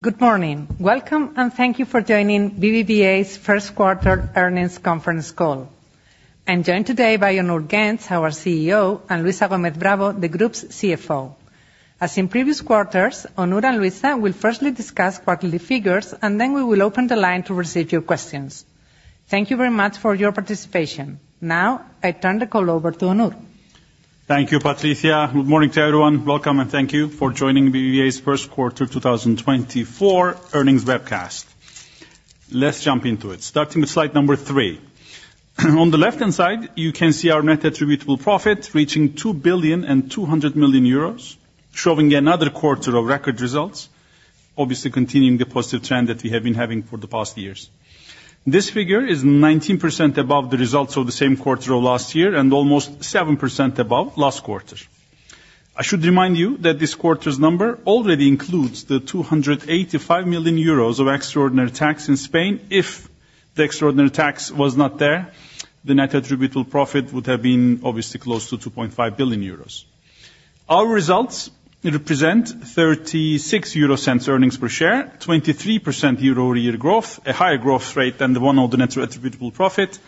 Good morning. Welcome, and thank you for joining BBVA's first quarter earnings conference call. I'm joined today by Onur Genç, our CEO, and Luisa Gómez Bravo, the group's CFO. As in previous quarters, Onur and Luisa will firstly discuss quarterly figures, and then we will open the line to receive your questions. Thank you very much for your participation. Now I turn the call over to Onur. Thank you, Patricia. Good morning to everyone. Welcome, and thank you for joining BBVA's first quarter 2024 earnings webcast. Let's jump into it, starting with slide number three. On the left-hand side, you can see our net attributable profit reaching 2.2 billion, showing another quarter of record results, obviously continuing the positive trend that we have been having for the past years. This figure is 19% above the results of the same quarter of last year and almost 7% above last quarter. I should remind you that this quarter's number already includes the 285 million euros of extraordinary tax in Spain. If the extraordinary tax was not there, the net attributable profit would have been, obviously, close to 2.5 billion euros. Our results represent 0.36 earnings per share, 23% year-over-year growth, a higher growth rate than the one of the net attributable profit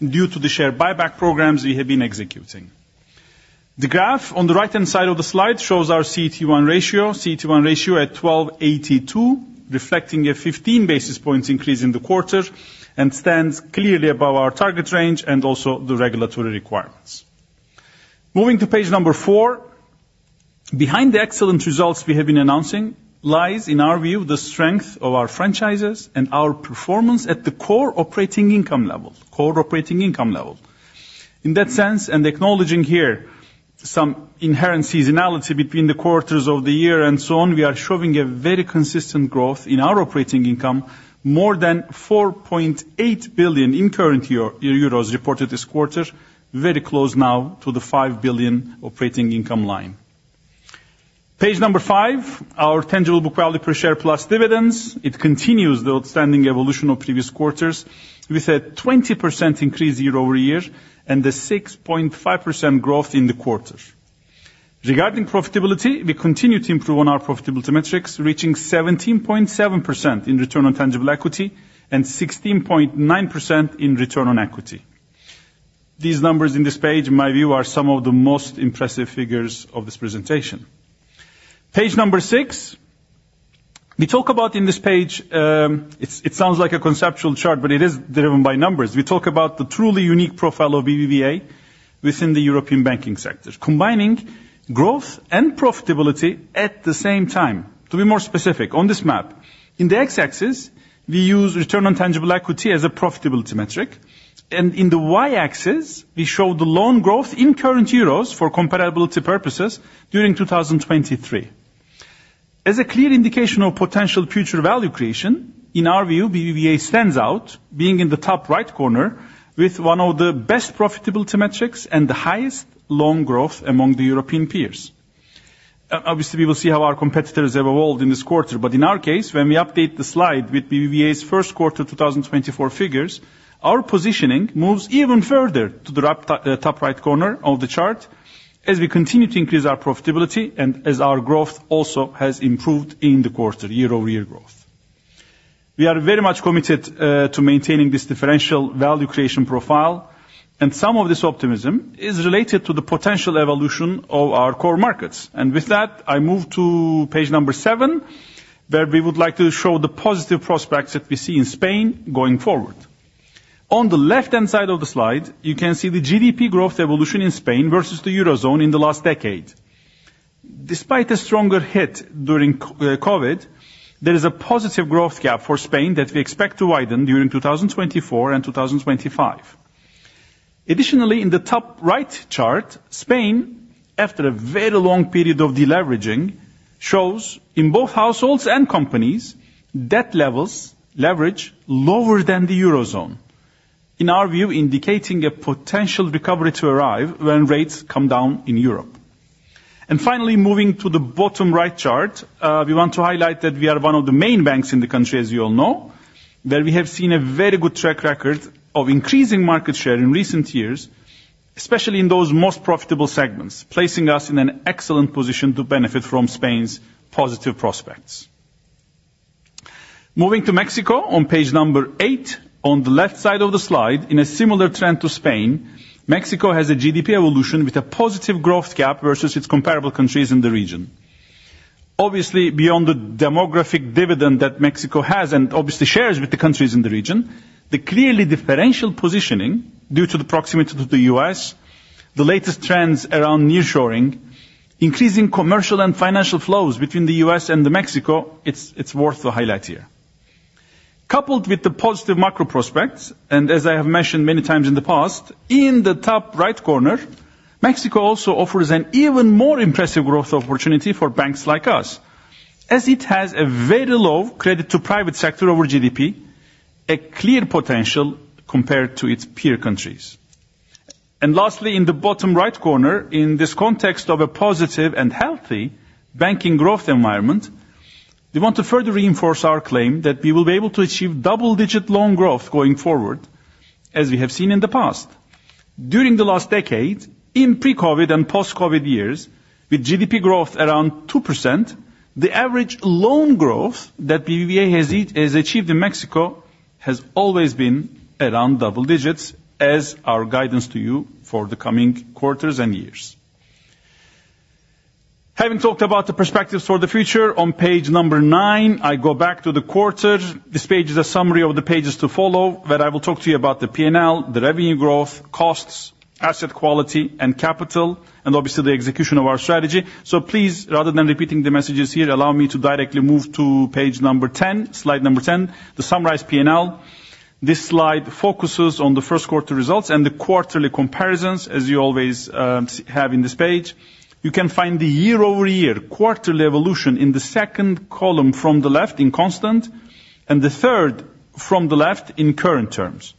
due to the share buyback programs we have been executing. The graph on the right-hand side of the slide shows our CET1 ratio, CET1 ratio at 12.82, reflecting a 15 basis points increase in the quarter and stands clearly above our target range and also the regulatory requirements. Moving to page number 4, behind the excellent results we have been announcing lies, in our view, the strength of our franchises and our performance at the core operating income level, core operating income level. In that sense, and acknowledging here some inherencies, analogy between the quarters of the year and so on, we are showing a very consistent growth in our operating income, more than 4.8 billion in current year euros reported this quarter, very close now to the 5 billion operating income line. Page number 5, our tangible book value per share plus dividends, it continues the outstanding evolution of previous quarters with a 20% increase year-over-year and a 6.5% growth in the quarter. Regarding profitability, we continue to improve on our profitability metrics, reaching 17.7% in return on tangible equity and 16.9% in return on equity. These numbers in this page, in my view, are some of the most impressive figures of this presentation. Page number 6, we talk about in this page, it sounds like a conceptual chart, but it is driven by numbers. We talk about the truly unique profile of BBVA within the European banking sectors, combining growth and profitability at the same time. To be more specific, on this map, in the X-axis, we use return on tangible equity as a profitability metric, and in the Y-axis, we show the loan growth in current euros for comparability purposes during 2023. As a clear indication of potential future value creation, in our view, BBVA stands out, being in the top right corner with one of the best profitability metrics and the highest loan growth among the European peers. Obviously, we will see how our competitors evolved in this quarter, but in our case, when we update the slide with BBVA's first quarter 2024 figures, our positioning moves even further to the top right corner of the chart as we continue to increase our profitability and as our growth also has improved in the quarter, year-over-year growth. We are very much committed to maintaining this differential value creation profile, and some of this optimism is related to the potential evolution of our core markets. And with that, I move to page number seven, where we would like to show the positive prospects that we see in Spain going forward. On the left-hand side of the slide, you can see the GDP growth evolution in Spain versus the eurozone in the last decade. Despite a stronger hit during COVID, there is a positive growth gap for Spain that we expect to widen during 2024 and 2025. Additionally, in the top right chart, Spain, after a very long period of deleveraging, shows in both households and companies debt levels, leverage, lower than the eurozone, in our view, indicating a potential recovery to arrive when rates come down in Europe. Finally, moving to the bottom right chart, we want to highlight that we are one of the main banks in the country, as you all know, where we have seen a very good track record of increasing market share in recent years, especially in those most profitable segments, placing us in an excellent position to benefit from Spain's positive prospects. Moving to Mexico, on page 8, on the left side of the slide, in a similar trend to Spain, Mexico has a GDP evolution with a positive growth gap versus its comparable countries in the region. Obviously, beyond the demographic dividend that Mexico has and obviously shares with the countries in the region, the clearly differential positioning due to the proximity to the U.S., the latest trends around nearshoring, increasing commercial and financial flows between the U.S. and Mexico, it's worth the highlight here. Coupled with the positive macro prospects, and as I have mentioned many times in the past, in the top right corner, Mexico also offers an even more impressive growth opportunity for banks like us, as it has a very low credit-to-private sector over GDP, a clear potential compared to its peer countries. Lastly, in the bottom right corner, in this context of a positive and healthy banking growth environment, we want to further reinforce our claim that we will be able to achieve double-digit loan growth going forward, as we have seen in the past. During the last decade, in pre-COVID and post-COVID years, with GDP growth around 2%, the average loan growth that BBVA has achieved in Mexico has always been around double digits, as our guidance to you for the coming quarters and years. Having talked about the perspectives for the future, on page number nine, I go back to the quarter. This page is a summary of the pages to follow, where I will talk to you about the P&L, the revenue growth, costs, asset quality, and capital, and obviously the execution of our strategy. So please, rather than repeating the messages here, allow me to directly move to page number 10, slide number 10, the summarized P&L. This slide focuses on the first quarter results and the quarterly comparisons, as you always have in this page. You can find the year-over-year quarterly evolution in the second column from the left in constant, and the third from the left in current terms.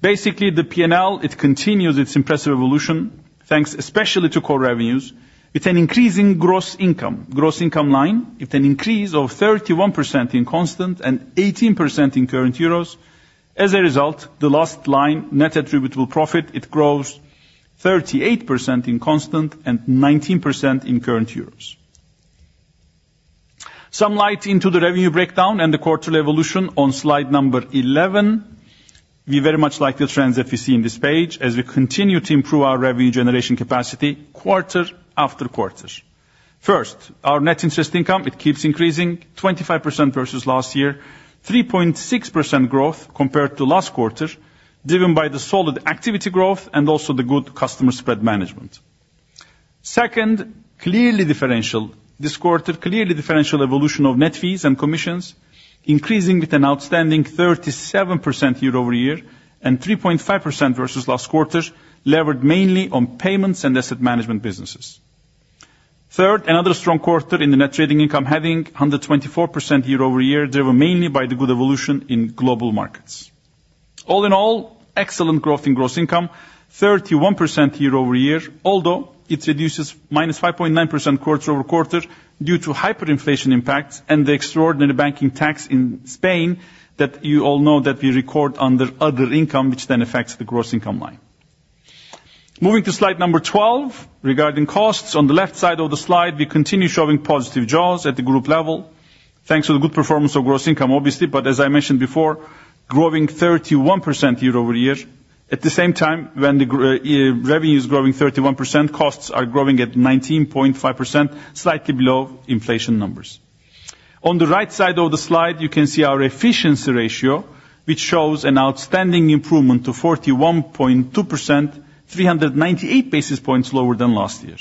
Basically, the P&L, it continues its impressive evolution, thanks especially to core revenues. It's an increasing gross income, gross income line. It's an increase of 31% in constant and 18% in current euros. As a result, the last line, net attributable profit, it grows 38% in constant and 19% in current euros. Some light into the revenue breakdown and the quarterly evolution on slide number 11. We very much like the trends that we see in this page, as we continue to improve our revenue generation capacity quarter after quarter. First, our net interest income, it keeps increasing, 25% versus last year, 3.6% growth compared to last quarter, driven by the solid activity growth and also the good customer spread management. Second, clearly differential, this quarter, clearly differential evolution of net fees and commissions, increasing with an outstanding 37% year-over-year and 3.5% versus last quarter, levered mainly on payments and asset management businesses. Third, another strong quarter in the net trading income, having 124% year-over-year, driven mainly by the good evolution in global markets. All in all, excellent growth in gross income, 31% year-over-year, although it reduces minus 5.9% quarter-over-quarter due to hyperinflation impacts and the extraordinary banking tax in Spain that you all know that we record under other income, which then affects the gross income line. Moving to slide 12, regarding costs, on the left side of the slide, we continue showing positive jaws at the group level, thanks to the good performance of gross income, obviously, but as I mentioned before, growing 31% year-over-year. At the same time, when the revenue is growing 31%, costs are growing at 19.5%, slightly below inflation numbers. On the right side of the slide, you can see our efficiency ratio, which shows an outstanding improvement to 41.2%, 398 basis points lower than last year.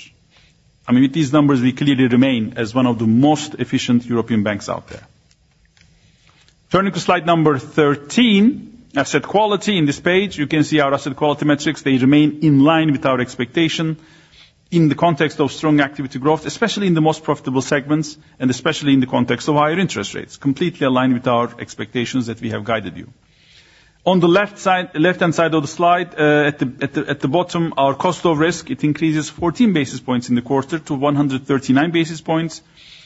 I mean, with these numbers, we clearly remain as one of the most efficient European banks out there. Turning to slide 13, asset quality in this page, you can see our asset quality metrics. They remain in line with our expectation in the context of strong activity growth, especially in the most profitable segments and especially in the context of higher interest rates, completely aligned with our expectations that we have guided you. On the left-hand side of the slide, at the bottom, our cost of risk, it increases 14 basis points in the quarter to 139 basis points,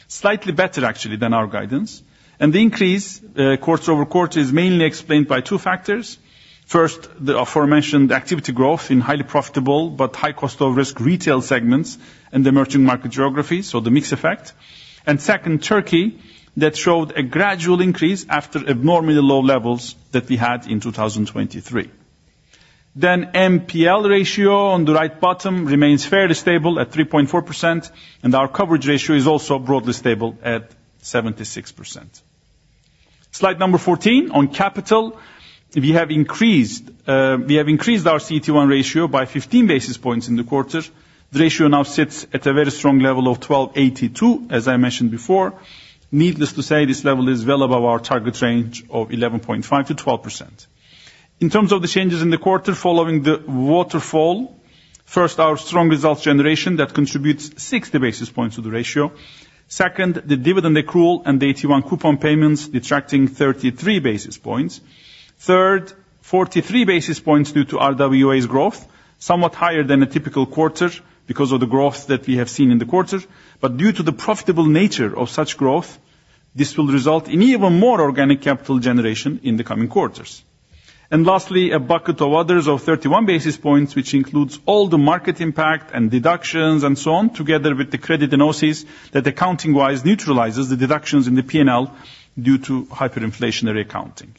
slightly better, actually, than our guidance. The increase quarter-over-quarter is mainly explained by two factors. First, the aforementioned activity growth in highly profitable but high cost of risk retail segments and emerging market geography, so the mix effect. Second, Turkey, that showed a gradual increase after abnormally low levels that we had in 2023. NPL ratio on the right bottom remains fairly stable at 3.4%, and our coverage ratio is also broadly stable at 76%. Slide number 14, on capital, we have increased our CET1 ratio by 15 basis points in the quarter. The ratio now sits at a very strong level of 1282, as I mentioned before. Needless to say, this level is well above our target range of 11.5%-12%. In terms of the changes in the quarter following the waterfall, first, our strong results generation that contributes 60 basis points to the ratio. Second, the dividend accrual and the AT1 coupon payments detracting 33 basis points. Third, 43 basis points due to RWAs growth, somewhat higher than a typical quarter because of the growth that we have seen in the quarter. But due to the profitable nature of such growth, this will result in even more organic capital generation in the coming quarters. And lastly, a bucket of others of 31 basis points, which includes all the market impact and deductions and so on, together with the credit and OCI that accounting-wise neutralizes the deductions in the P&L due to hyperinflationary accounting.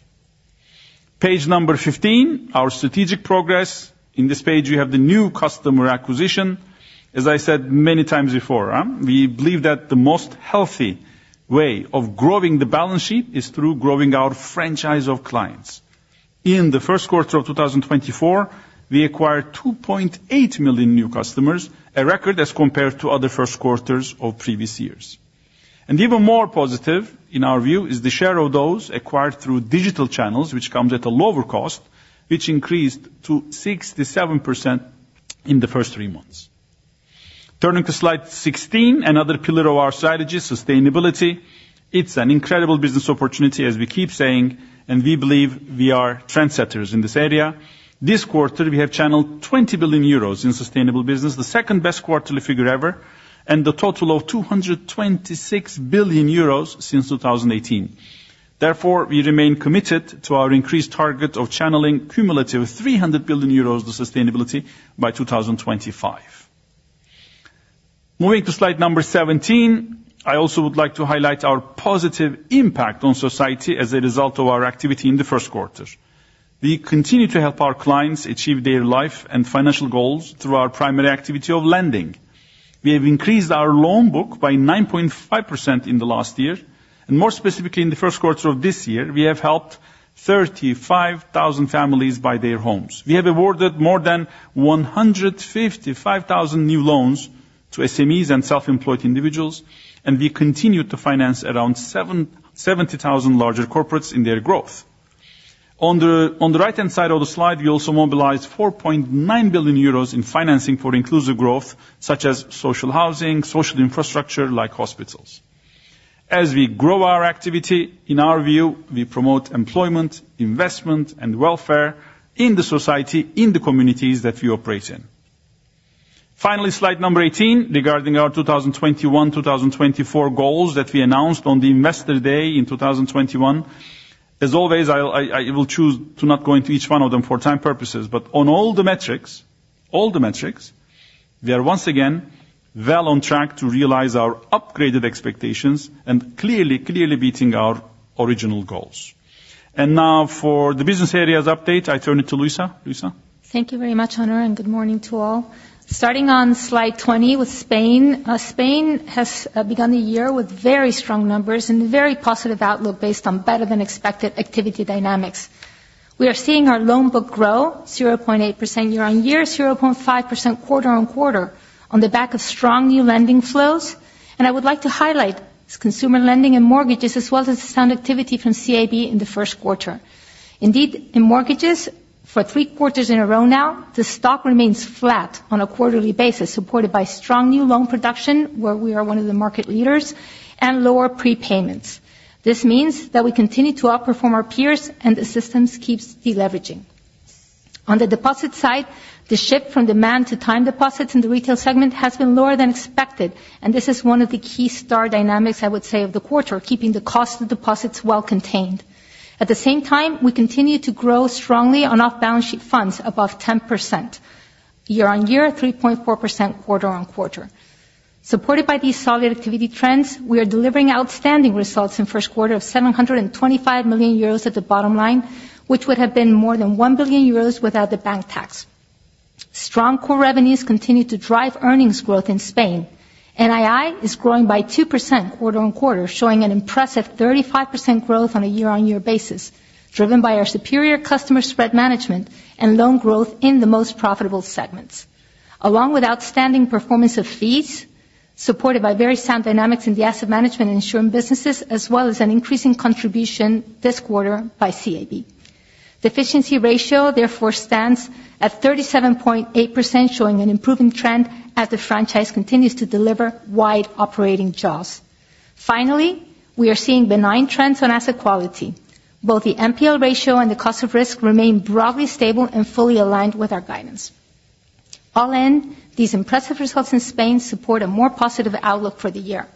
Page 15, our strategic progress. In this page, you have the new customer acquisition. As I said many times before, we believe that the most healthy way of growing the balance sheet is through growing our franchise of clients. In the first quarter of 2024, we acquired 2.8 million new customers, a record as compared to other first quarters of previous years. Even more positive, in our view, is the share of those acquired through digital channels, which comes at a lower cost, which increased to 67% in the first three months. Turning to slide 16, another pillar of our strategy, sustainability. It's an incredible business opportunity, as we keep saying, and we believe we are trendsetters in this area. This quarter, we have channeled 20 billion euros in sustainable business, the second best quarterly figure ever, and the total of 226 billion euros since 2018. Therefore, we remain committed to our increased target of channeling cumulative of 300 billion euros to sustainability by 2025. Moving to slide 17, I also would like to highlight our positive impact on society as a result of our activity in the first quarter. We continue to help our clients achieve their life and financial goals through our primary activity of lending. We have increased our loan book by 9.5% in the last year, and more specifically, in the first quarter of this year, we have helped 35,000 families buy their homes. We have awarded more than 155,000 new loans to SMEs and self-employed individuals, and we continue to finance around 70,000 larger corporates in their growth. On the right-hand side of the slide, we also mobilized 4.9 billion euros in financing for inclusive growth, such as social housing, social infrastructure, like hospitals. As we grow our activity, in our view, we promote employment, investment, and welfare in the society, in the communities that we operate in. Finally, slide number 18, regarding our 2021-2024 goals that we announced on the Investor Day in 2021. As always, I will choose to not go into each one of them for time purposes, but on all the metrics, all the metrics, we are once again well on track to realize our upgraded expectations and clearly, clearly beating our original goals. Now, for the business areas update, I turn it to Luisa. Luisa. Thank you very much, Onur, and good morning to all. Starting on slide 20 with Spain, Spain has begun the year with very strong numbers and a very positive outlook based on better-than-expected activity dynamics. We are seeing our loan book grow 0.8% year-on-year, 0.5% quarter-on-quarter, on the back of strong new lending flows. I would like to highlight consumer lending and mortgages, as well as the sound activity from CIB in the first quarter. Indeed, in mortgages, for three quarters in a row now, the stock remains flat on a quarterly basis, supported by strong new loan production, where we are one of the market leaders, and lower prepayments. This means that we continue to outperform our peers, and the Spanish keep deleveraging. On the deposit side, the shift from demand to time deposits in the retail segment has been lower than expected, and this is one of the key standout dynamics, I would say, of the quarter, keeping the cost of deposits well contained. At the same time, we continue to grow strongly on off-balance sheet funds above 10% year-on-year, 3.4% quarter-on-quarter. Supported by these solid activity trends, we are delivering outstanding results in the first quarter of 725 million euros at the bottom line, which would have been more than 1 billion euros without the bank tax. Strong core revenues continue to drive earnings growth in Spain. NII is growing by 2% quarter-on-quarter, showing an impressive 35% growth on a year-on-year basis, driven by our superior customer spread management and loan growth in the most profitable segments, along with outstanding performance of fees, supported by very sound dynamics in the asset management and insurance businesses, as well as an increasing contribution this quarter by CIB. Efficiency ratio, therefore, stands at 37.8%, showing an improving trend as the franchise continues to deliver wide operating jaws. Finally, we are seeing benign trends on asset quality. Both the NPL ratio and the cost of risk remain broadly stable and fully aligned with our guidance. All in, these impressive results in Spain support a more positive outlook for the year.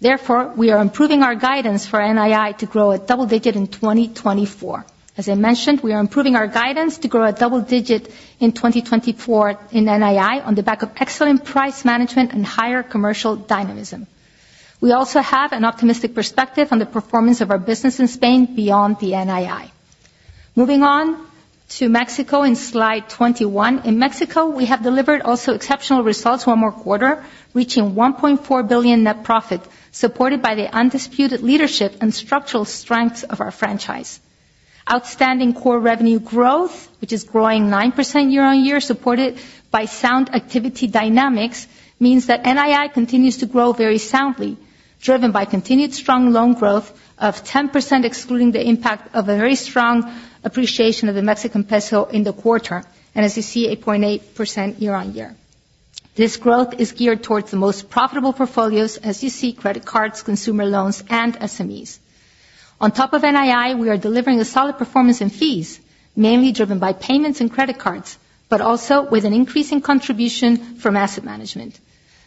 Therefore, we are improving our guidance for NII to grow double-digit in 2024. As I mentioned, we are improving our guidance to grow a double-digit in 2024 in NII on the back of excellent price management and higher commercial dynamism. We also have an optimistic perspective on the performance of our business in Spain beyond the NII. Moving on to Mexico in slide 21. In Mexico, we have delivered also exceptional results one more quarter, reaching 1.4 billion net profit, supported by the undisputed leadership and structural strengths of our franchise. Outstanding core revenue growth, which is growing 9% year-on-year, supported by sound activity dynamics, means that NII continues to grow very soundly, driven by continued strong loan growth of 10%, excluding the impact of a very strong appreciation of the Mexican peso in the quarter, and as you see, 8.8% year-on-year. This growth is geared towards the most profitable portfolios, as you see, credit cards, consumer loans, and SMEs. On top of NII, we are delivering a solid performance in fees, mainly driven by payments and credit cards, but also with an increasing contribution from asset management.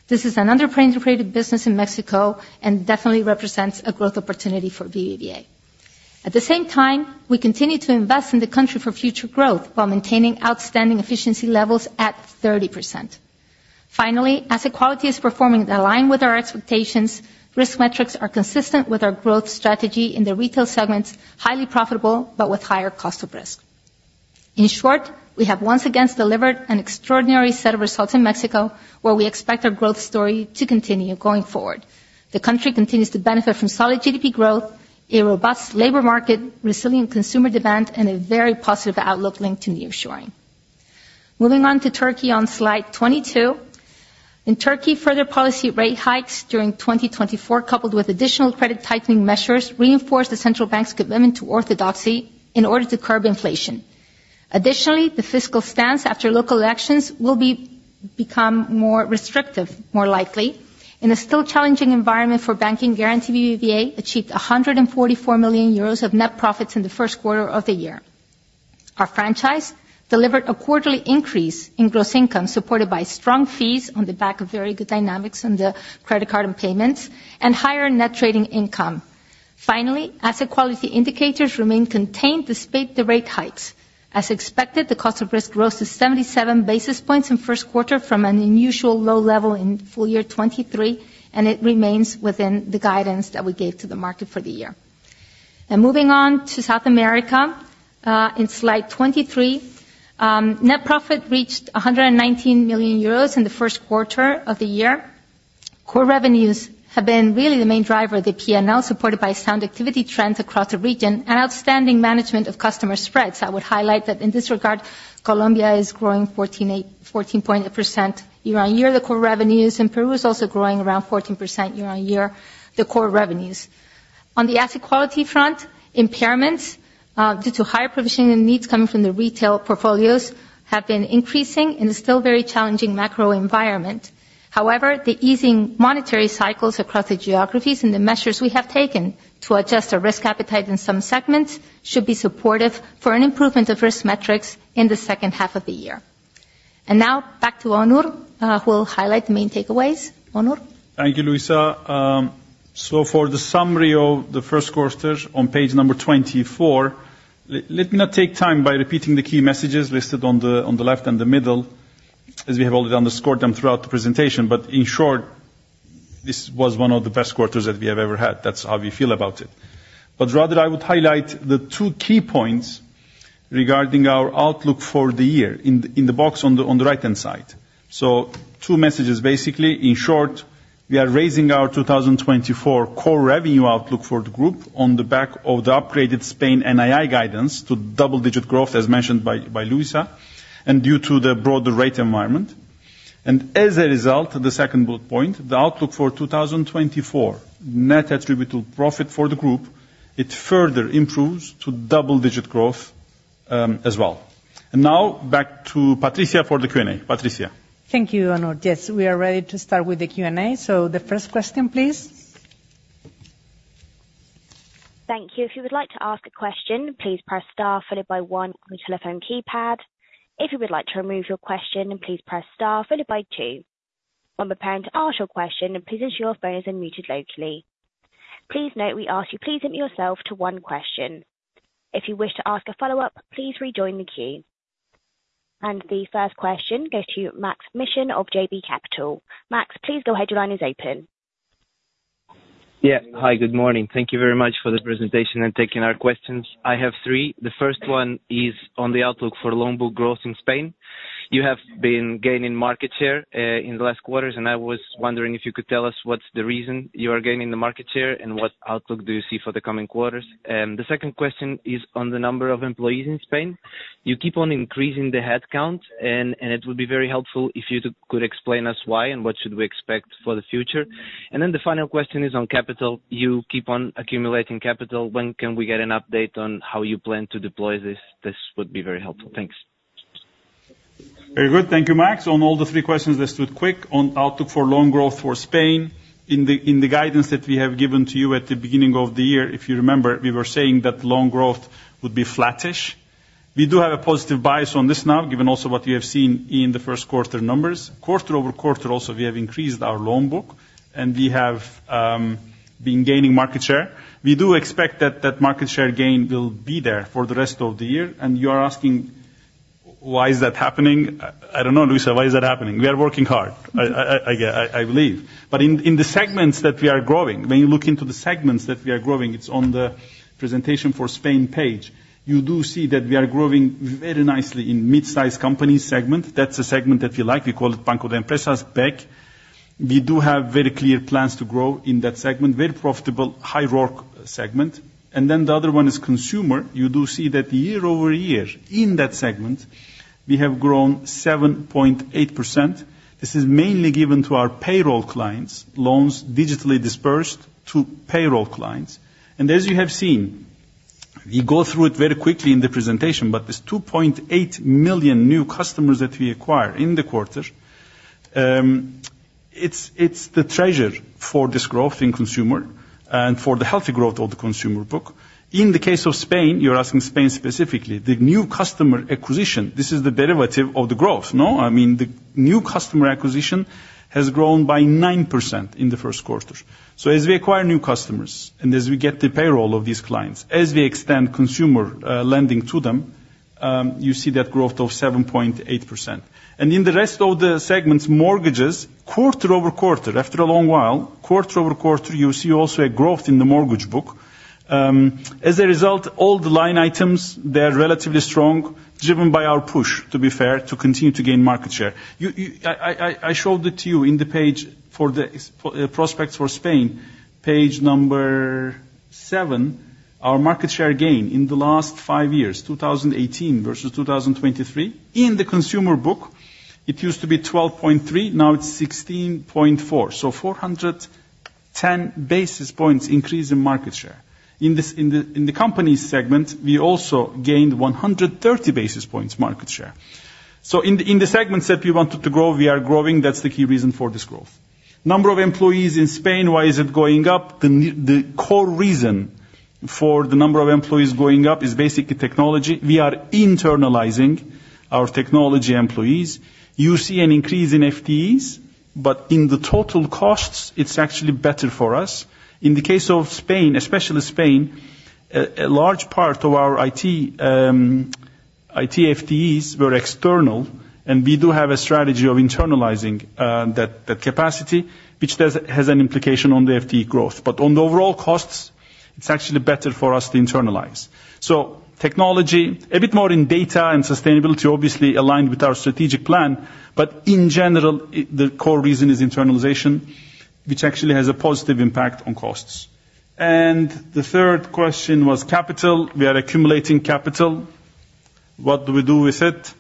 This is an under-integrated business in Mexico and definitely represents a growth opportunity for BBVA. At the same time, we continue to invest in the country for future growth while maintaining outstanding efficiency levels at 30%. Finally, asset quality is performing in line with our expectations. Risk metrics are consistent with our growth strategy in the retail segments, highly profitable but with higher cost of risk. In short, we have once again delivered an extraordinary set of results in Mexico, where we expect our growth story to continue going forward. The country continues to benefit from solid GDP growth, a robust labor market, resilient consumer demand, and a very positive outlook linked to nearshoring. Moving on to Turkey on slide 22. In Turkey, further policy rate hikes during 2024, coupled with additional credit tightening measures, reinforce the central bank's commitment to orthodoxy in order to curb inflation. Additionally, the fiscal stance after local elections will become more restrictive, more likely. In a still challenging environment for banking, Garanti BBVA achieved 144 million euros of net profits in the first quarter of the year. Our franchise delivered a quarterly increase in gross income, supported by strong fees on the back of very good dynamics on the credit card and payments, and higher net trading income. Finally, asset quality indicators remain contained despite the rate hikes. As expected, the cost of risk rose to 77 basis points in the first quarter from an unusual low level in full year 2023, and it remains within the guidance that we gave to the market for the year. Moving on to South America, in slide 23, net profit reached 119 million euros in the first quarter of the year. Core revenues have been really the main driver, the P&L, supported by sound activity trends across the region, and outstanding management of customer spreads. I would highlight that in this regard, Colombia is growing 14.8% year-on-year. The core revenues in Peru are also growing around 14% year-on-year, the core revenues. On the asset quality front, impairments due to higher provisioning needs coming from the retail portfolios have been increasing in a still very challenging macro environment. However, the easing monetary cycles across the geographies and the measures we have taken to adjust our risk appetite in some segments should be supportive for an improvement of risk metrics in the second half of the year. And now, back to Onur, who will highlight the main takeaways. Onur. Thank you, Luisa. So, for the summary of the first quarter on page 24, let me not take time by repeating the key messages listed on the left and the middle, as we have already underscored them throughout the presentation. But in short, this was one of the best quarters that we have ever had. That's how we feel about it. But rather, I would highlight the two key points regarding our outlook for the year in the box on the right-hand side. So, two messages, basically. In short, we are raising our 2024 core revenue outlook for the group on the back of the upgraded Spain NII guidance to double-digit growth, as mentioned by Luisa, and due to the broader rate environment. As a result, the second bullet point, the outlook for 2024 net attributable profit for the group, it further improves to double-digit growth as well. Now, back to Patricia for the Q&A. Patricia. Thank you, Onur. Yes, we are ready to start with the Q&A. So, the first question, please. Thank you. If you would like to ask a question, please press star followed by one on the telephone keypad. If you would like to remove your question, please press star followed by two. When preparing to ask your question, please ensure your phone is unmuted locally. Please note, we ask you please limit yourself to one question. If you wish to ask a follow-up, please rejoin the queue. And the first question goes to Maksym Mishyn of JB Capital. Max, please go ahead. Your line is open. Yeah. Hi. Good morning. Thank you very much for the presentation and taking our questions. I have three. The first one is on the outlook for loan book growth in Spain. You have been gaining market share in the last quarters, and I was wondering if you could tell us what's the reason you are gaining the market share and what outlook do you see for the coming quarters. And the second question is on the number of employees in Spain. You keep on increasing the headcount, and it would be very helpful if you could explain us why and what should we expect for the future. And then the final question is on capital. You keep on accumulating capital. When can we get an update on how you plan to deploy this? This would be very helpful. Thanks. Very good. Thank you, Max. On all the three questions, let's do it quick. On outlook for loan growth for Spain, in the guidance that we have given to you at the beginning of the year, if you remember, we were saying that loan growth would be flattish. We do have a positive bias on this now, given also what you have seen in the first quarter numbers. Quarter-over-quarter, also, we have increased our loan book, and we have been gaining market share. We do expect that market share gain will be there for the rest of the year. And you are asking why is that happening. I don't know, Luisa. Why is that happening? We are working hard. I believe. But in the segments that we are growing, when you look into the segments that we are growing, it's on the presentation for Spain page, you do see that we are growing very nicely in mid-size companies segment. That's a segment that we like. We call it Banca de Empresas, BEC. We do have very clear plans to grow in that segment, very profitable, high ROC segment. And then the other one is consumer. You do see that year-over-year in that segment, we have grown 7.8%. This is mainly given to our payroll clients, loans digitally dispersed to payroll clients. And as you have seen, we go through it very quickly in the presentation, but there's 2.8 million new customers that we acquire in the quarter. It's the treasure for this growth in consumer and for the healthy growth of the consumer book. In the case of Spain, you're asking Spain specifically, the new customer acquisition, this is the derivative of the growth, no? I mean, the new customer acquisition has grown by 9% in the first quarter. So, as we acquire new customers and as we get the payroll of these clients, as we extend consumer lending to them, you see that growth of 7.8%. And in the rest of the segments, mortgages, quarter-over-quarter, after a long while, quarter-over-quarter, you see also a growth in the mortgage book. As a result, all the line items, they're relatively strong, driven by our push, to be fair, to continue to gain market share. I showed it to you in the page for the prospects for Spain, page 7, our market share gain in the last five years, 2018 versus 2023. In the consumer book, it used to be 12.3. Now, it's 16.4. So, 410 basis points increase in market share. In the company segment, we also gained 130 basis points market share. So, in the segments that we wanted to grow, we are growing. That's the key reason for this growth. Number of employees in Spain, why is it going up? The core reason for the number of employees going up is basically technology. We are internalizing our technology employees. You see an increase in FTEs, but in the total costs, it's actually better for us. In the case of Spain, especially Spain, a large part of our IT FTEs were external, and we do have a strategy of internalizing that capacity, which has an implication on the FTE growth. But on the overall costs, it's actually better for us to internalize. So, technology, a bit more in data and sustainability, obviously aligned with our strategic plan, but in general, the core reason is internalization, which actually has a positive impact on costs. And the third question was capital. We are accumulating capital. What do we do with it?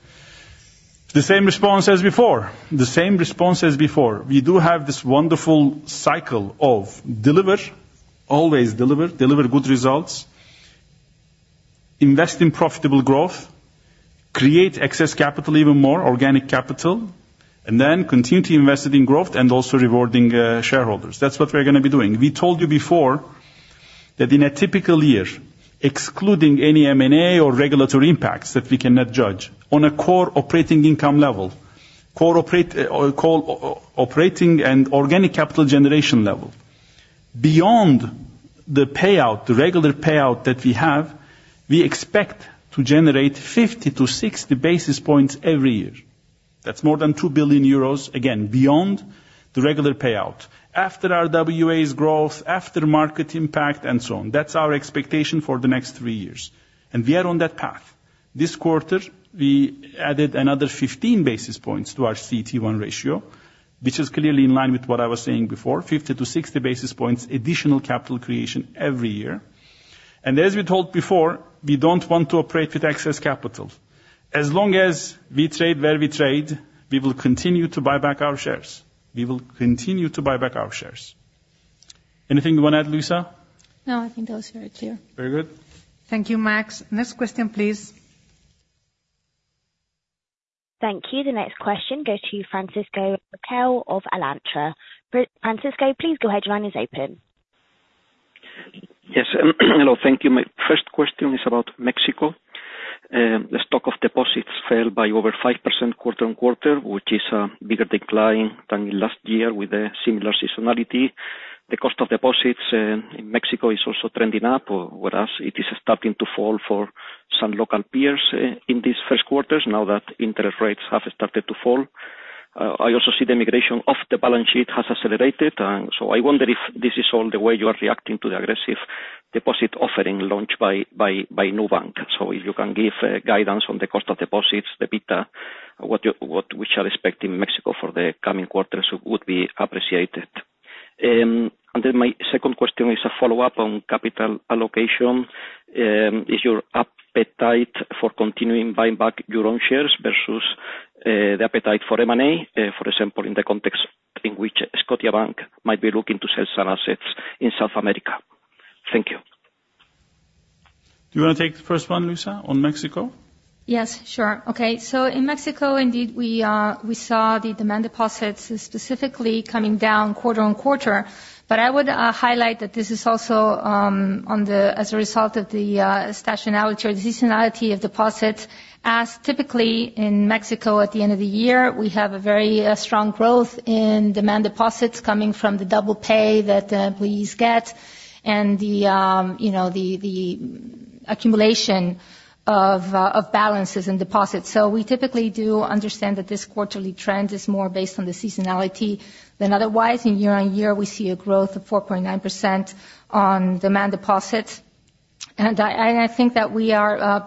The same response as before. The same response as before. We do have this wonderful cycle of deliver, always deliver, deliver good results, invest in profitable growth, create excess capital even more, organic capital, and then continue to invest it in growth and also rewarding shareholders. That's what we're going to be doing. We told you before that in a typical year, excluding any M&A or regulatory impacts that we cannot judge, on a core operating income level, core operating and organic capital generation level, beyond the payout, the regular payout that we have, we expect to generate 50-60 basis points every year. That's more than 2 billion euros, again, beyond the regular payout, after our RWAs growth, after market impact, and so on. That's our expectation for the next three years. And we are on that path. This quarter, we added another 15 basis points to our CET1 ratio, which is clearly in line with what I was saying before, 50-60 basis points additional capital creation every year. And as we told before, we don't want to operate with excess capital. As long as we trade where we trade, we will continue to buy back our shares. We will continue to buy back our shares. Anything you want to add, Luisa? No, I think that was very clear. Very good. Thank you, Max. Next question, please. Thank you. The next question goes to Francisco Riquel of Alantra. Francisco, please go ahead. Your line is open. Yes. Hello. Thank you. My first question is about Mexico. The stock of deposits fell by over 5% quarter-on-quarter, which is a bigger decline than in last year with a similar seasonality. The cost of deposits in Mexico is also trending up, whereas it is starting to fall for some local peers in these first quarters now that interest rates have started to fall. I also see the migration of the balance sheet has accelerated, and so I wonder if this is all the way you are reacting to the aggressive deposit offering launched by Nubank. So, if you can give guidance on the cost of deposits, the beta, what we should expect in Mexico for the coming quarters would be appreciated. Then my second question is a follow-up on capital allocation. Is your appetite for continuing buying back your own shares versus the appetite for M&A, for example, in the context in which Scotiabank might be looking to sell some assets in South America? Thank you. Do you want to take the first one, Luisa, on Mexico? Yes. Sure. Okay. So, in Mexico, indeed, we saw the demand deposits specifically coming down quarter-on-quarter. But I would highlight that this is also as a result of the seasonality of deposits. As typically in Mexico at the end of the year, we have a very strong growth in demand deposits coming from the double pay that employees get and the accumulation of balances and deposits. So, we typically do understand that this quarterly trend is more based on the seasonality than otherwise. In year-on-year, we see a growth of 4.9% on demand deposits. I think that we are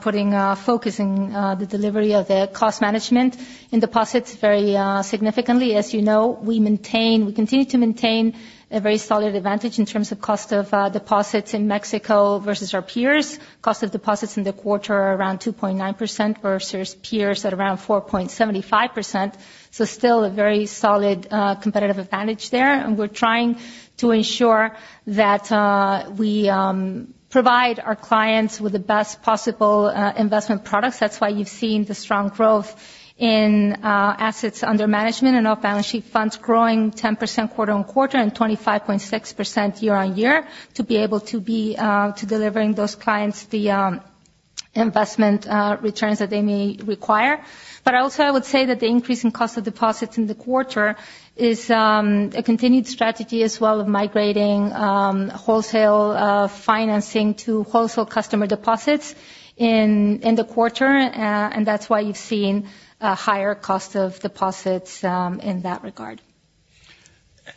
focusing the delivery of the cost management in deposits very significantly. As you know, we continue to maintain a very solid advantage in terms of cost of deposits in Mexico versus our peers. Cost of deposits in the quarter are around 2.9% versus peers at around 4.75%. So, still a very solid competitive advantage there. We're trying to ensure that we provide our clients with the best possible investment products. That's why you've seen the strong growth in assets under management and off-balance sheet funds growing 10% quarter-on-quarter and 25.6% year-on-year to be able to be delivering those clients the investment returns that they may require. But also, I would say that the increase in cost of deposits in the quarter is a continued strategy as well of migrating wholesale financing to wholesale customer deposits in the quarter. And that's why you've seen a higher cost of deposits in that regard.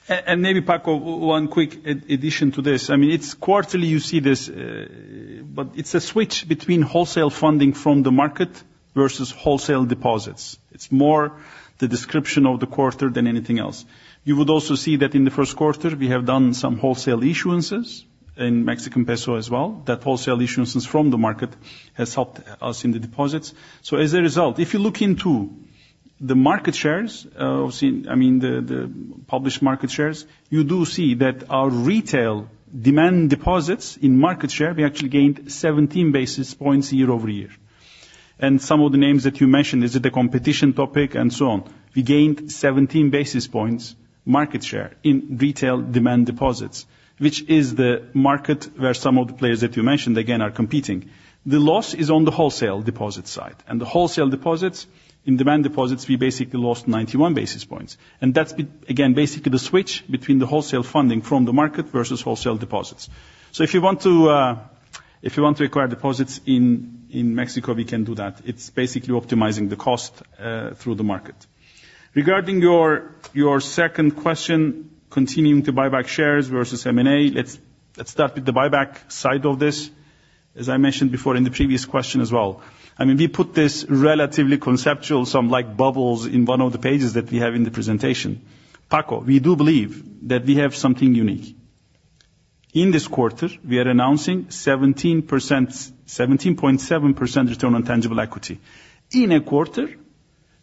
And maybe, Paco, one quick addition to this. I mean, it's quarterly you see this, but it's a switch between wholesale funding from the market versus wholesale deposits. It's more the description of the quarter than anything else. You would also see that in the first quarter, we have done some wholesale issuances in Mexican peso as well. That wholesale issuances from the market has helped us in the deposits. So, as a result, if you look into the market shares, I mean, the published market shares, you do see that our retail demand deposits in market share, we actually gained 17 basis points year-over-year. Some of the names that you mentioned, is it a competition topic and so on? We gained 17 basis points market share in retail demand deposits, which is the market where some of the players that you mentioned, again, are competing. The loss is on the wholesale deposit side. The wholesale deposits, in demand deposits, we basically lost 91 basis points. That's, again, basically the switch between the wholesale funding from the market versus wholesale deposits. So, if you want to acquire deposits in Mexico, we can do that. It's basically optimizing the cost through the market. Regarding your second question, continuing to buy back shares versus M&A, let's start with the buyback side of this. As I mentioned before in the previous question as well, I mean, we put this relatively conceptual, some bubbles in one of the pages that we have in the presentation. Paco, we do believe that we have something unique. In this quarter, we are announcing 17.7% return on tangible equity in a quarter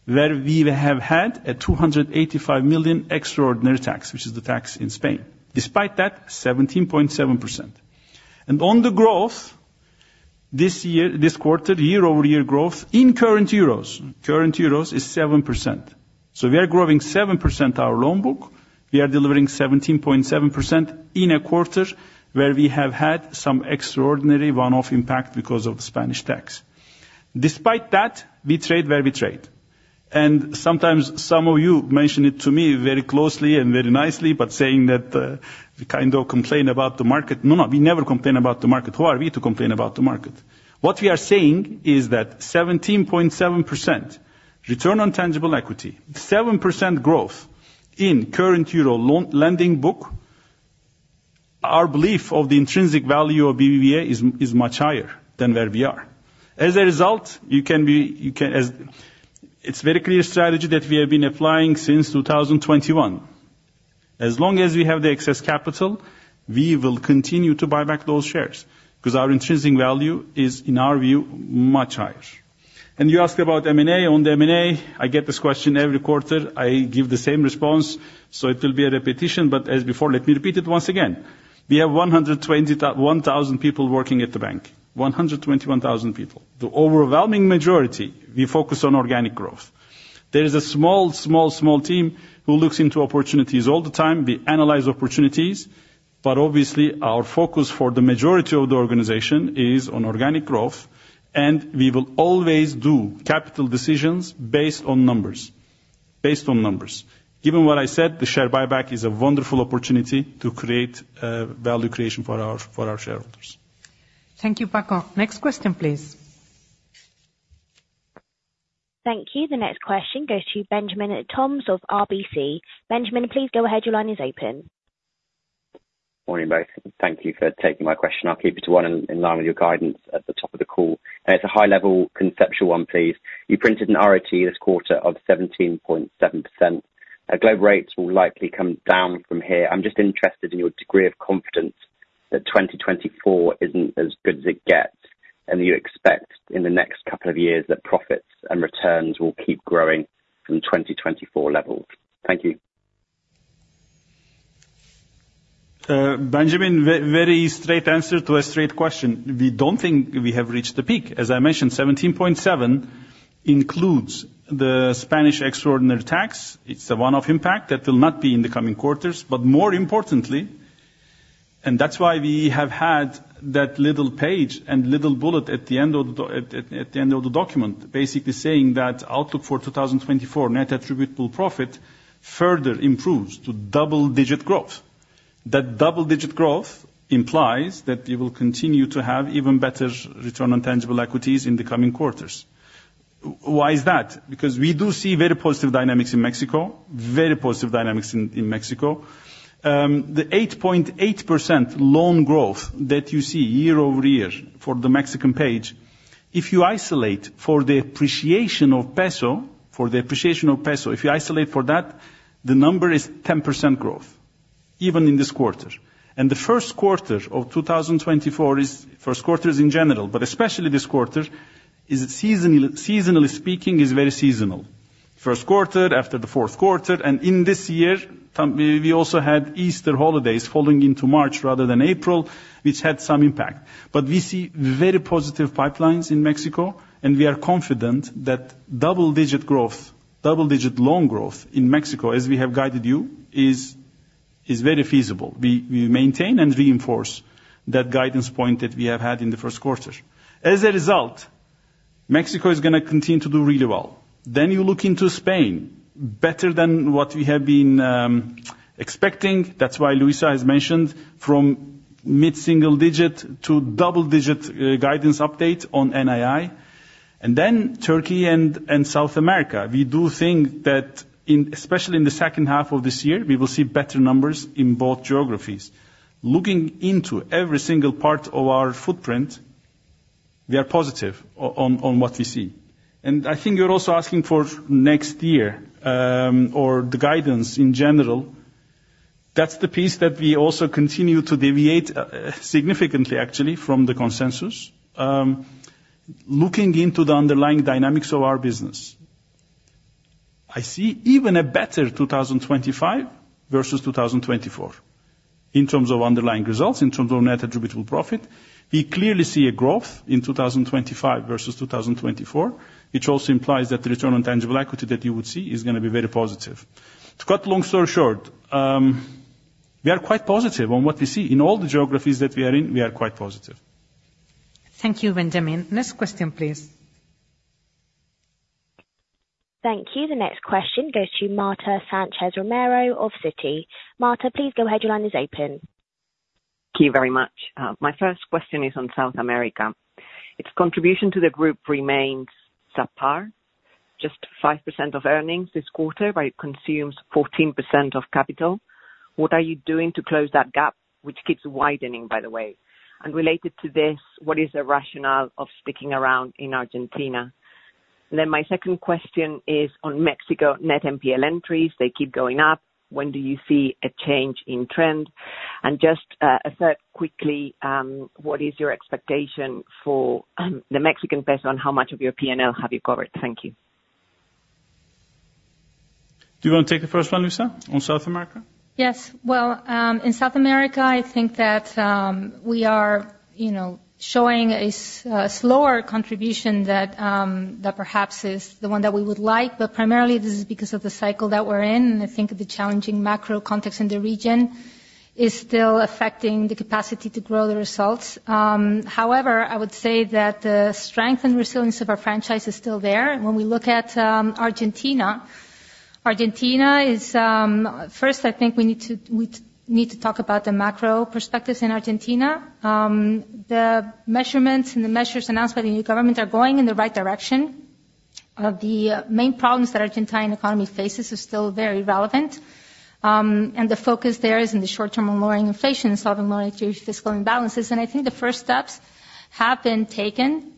where we have had a 285 million extraordinary tax, which is the tax in Spain. Despite that, 17.7%. On the growth this year, this quarter, year-over-year growth in current euros, current euros is 7%. So, we are growing 7% our loan book. We are delivering 17.7% in a quarter where we have had some extraordinary one-off impact because of the Spanish tax. Despite that, we trade where we trade. And sometimes some of you mentioned it to me very closely and very nicely, but saying that we kind of complain about the market. No, no. We never complain about the market. Who are we to complain about the market? What we are saying is that 17.7% return on tangible equity, 7% growth in current euro lending book, our belief of the intrinsic value of BBVA is much higher than where we are. As a result, you can see it's a very clear strategy that we have been applying since 2021. As long as we have the excess capital, we will continue to buy back those shares because our intrinsic value is, in our view, much higher. And you ask about M&A. On the M&A, I get this question every quarter. I give the same response. So, it will be a repetition, but as before, let me repeat it once again. We have 1,000 people working at the bank, 121,000 people. The overwhelming majority, we focus on organic growth. There is a small, small, small team who looks into opportunities all the time. We analyze opportunities, but obviously, our focus for the majority of the organization is on organic growth, and we will always do capital decisions based on numbers, based on numbers. Given what I said, the share buyback is a wonderful opportunity to create value creation for our shareholders. Thank you, Paco. Next question, please. Thank you. The next question goes to Benjamin Toms of RBC. Benjamin, please go ahead. Your line is open. Morning, both. Thank you for taking my question. I'll keep it to one in line with your guidance at the top of the call. It's a high-level conceptual one, please. You printed an ROTE this quarter of 17.7%. Global rates will likely come down from here. I'm just interested in your degree of confidence that 2024 isn't as good as it gets and that you expect in the next couple of years that profits and returns will keep growing from 2024 levels. Thank you. Benjamin, very straight answer to a straight question. We don't think we have reached the peak. As I mentioned, 17.7 includes the Spanish extraordinary tax. It's a one-off impact that will not be in the coming quarters. But more importantly, and that's why we have had that little page and little bullet at the end of the document basically saying that outlook for 2024 net attributable profit further improves to double-digit growth. That double-digit growth implies that you will continue to have even better return on tangible equity in the coming quarters. Why is that? Because we do see very positive dynamics in Mexico, very positive dynamics in Mexico. The 8.8% loan growth that you see year-over-year for the Mexican page, if you isolate for the appreciation of peso, for the appreciation of peso, if you isolate for that, the number is 10% growth even in this quarter. And the first quarter of 2024 is first quarters in general, but especially this quarter, seasonally speaking, is very seasonal. First quarter after the fourth quarter. And in this year, we also had Easter holidays falling into March rather than April, which had some impact. But we see very positive pipelines in Mexico, and we are confident that double-digit growth, double-digit loan growth in Mexico, as we have guided you, is very feasible. We maintain and reinforce that guidance point that we have had in the first quarter. As a result, Mexico is going to continue to do really well. Then you look into Spain, better than what we have been expecting. That's why Luisa has mentioned from mid-single digit to double-digit guidance update on NII. And then Turkey and South America. We do think that especially in the second half of this year, we will see better numbers in both geographies. Looking into every single part of our footprint, we are positive on what we see. And I think you're also asking for next year or the guidance in general. That's the piece that we also continue to deviate significantly, actually, from the consensus. Looking into the underlying dynamics of our business, I see even a better 2025 versus 2024 in terms of underlying results, in terms of net attributable profit. We clearly see a growth in 2025 versus 2024, which also implies that the return on tangible equity that you would see is going to be very positive. To cut the long story short, we are quite positive on what we see. In all the geographies that we are in, we are quite positive. Thank you, Benjamin. Next question, please. Thank you. The next question goes to Marta Sánchez Romero of Citi. Marta, please go ahead. Your line is open. Thank you very much. My first question is on South America. Its contribution to the group remains subpar, just 5% of earnings this quarter where it consumes 14% of capital. What are you doing to close that gap, which keeps widening, by the way? And related to this, what is the rationale of sticking around in Argentina? Then my second question is on Mexico net NPL entries. They keep going up. When do you see a change in trend? And just a third, quickly, what is your expectation for the Mexican peso and how much of your P&L have you covered? Thank you. Do you want to take the first one, Luisa, on South America? Yes. Well, in South America, I think that we are showing a slower contribution that perhaps is the one that we would like. But primarily, this is because of the cycle that we're in. And I think the challenging macro context in the region is still affecting the capacity to grow the results. However, I would say that the strength and resilience of our franchise is still there. When we look at Argentina, first, I think we need to talk about the macro perspectives in Argentina. The measurements and the measures announced by the new government are going in the right direction. The main problems that the Argentine economy faces are still very relevant. And the focus there is in the short-term on lowering inflation and solving low-interest fiscal imbalances. And I think the first steps have been taken.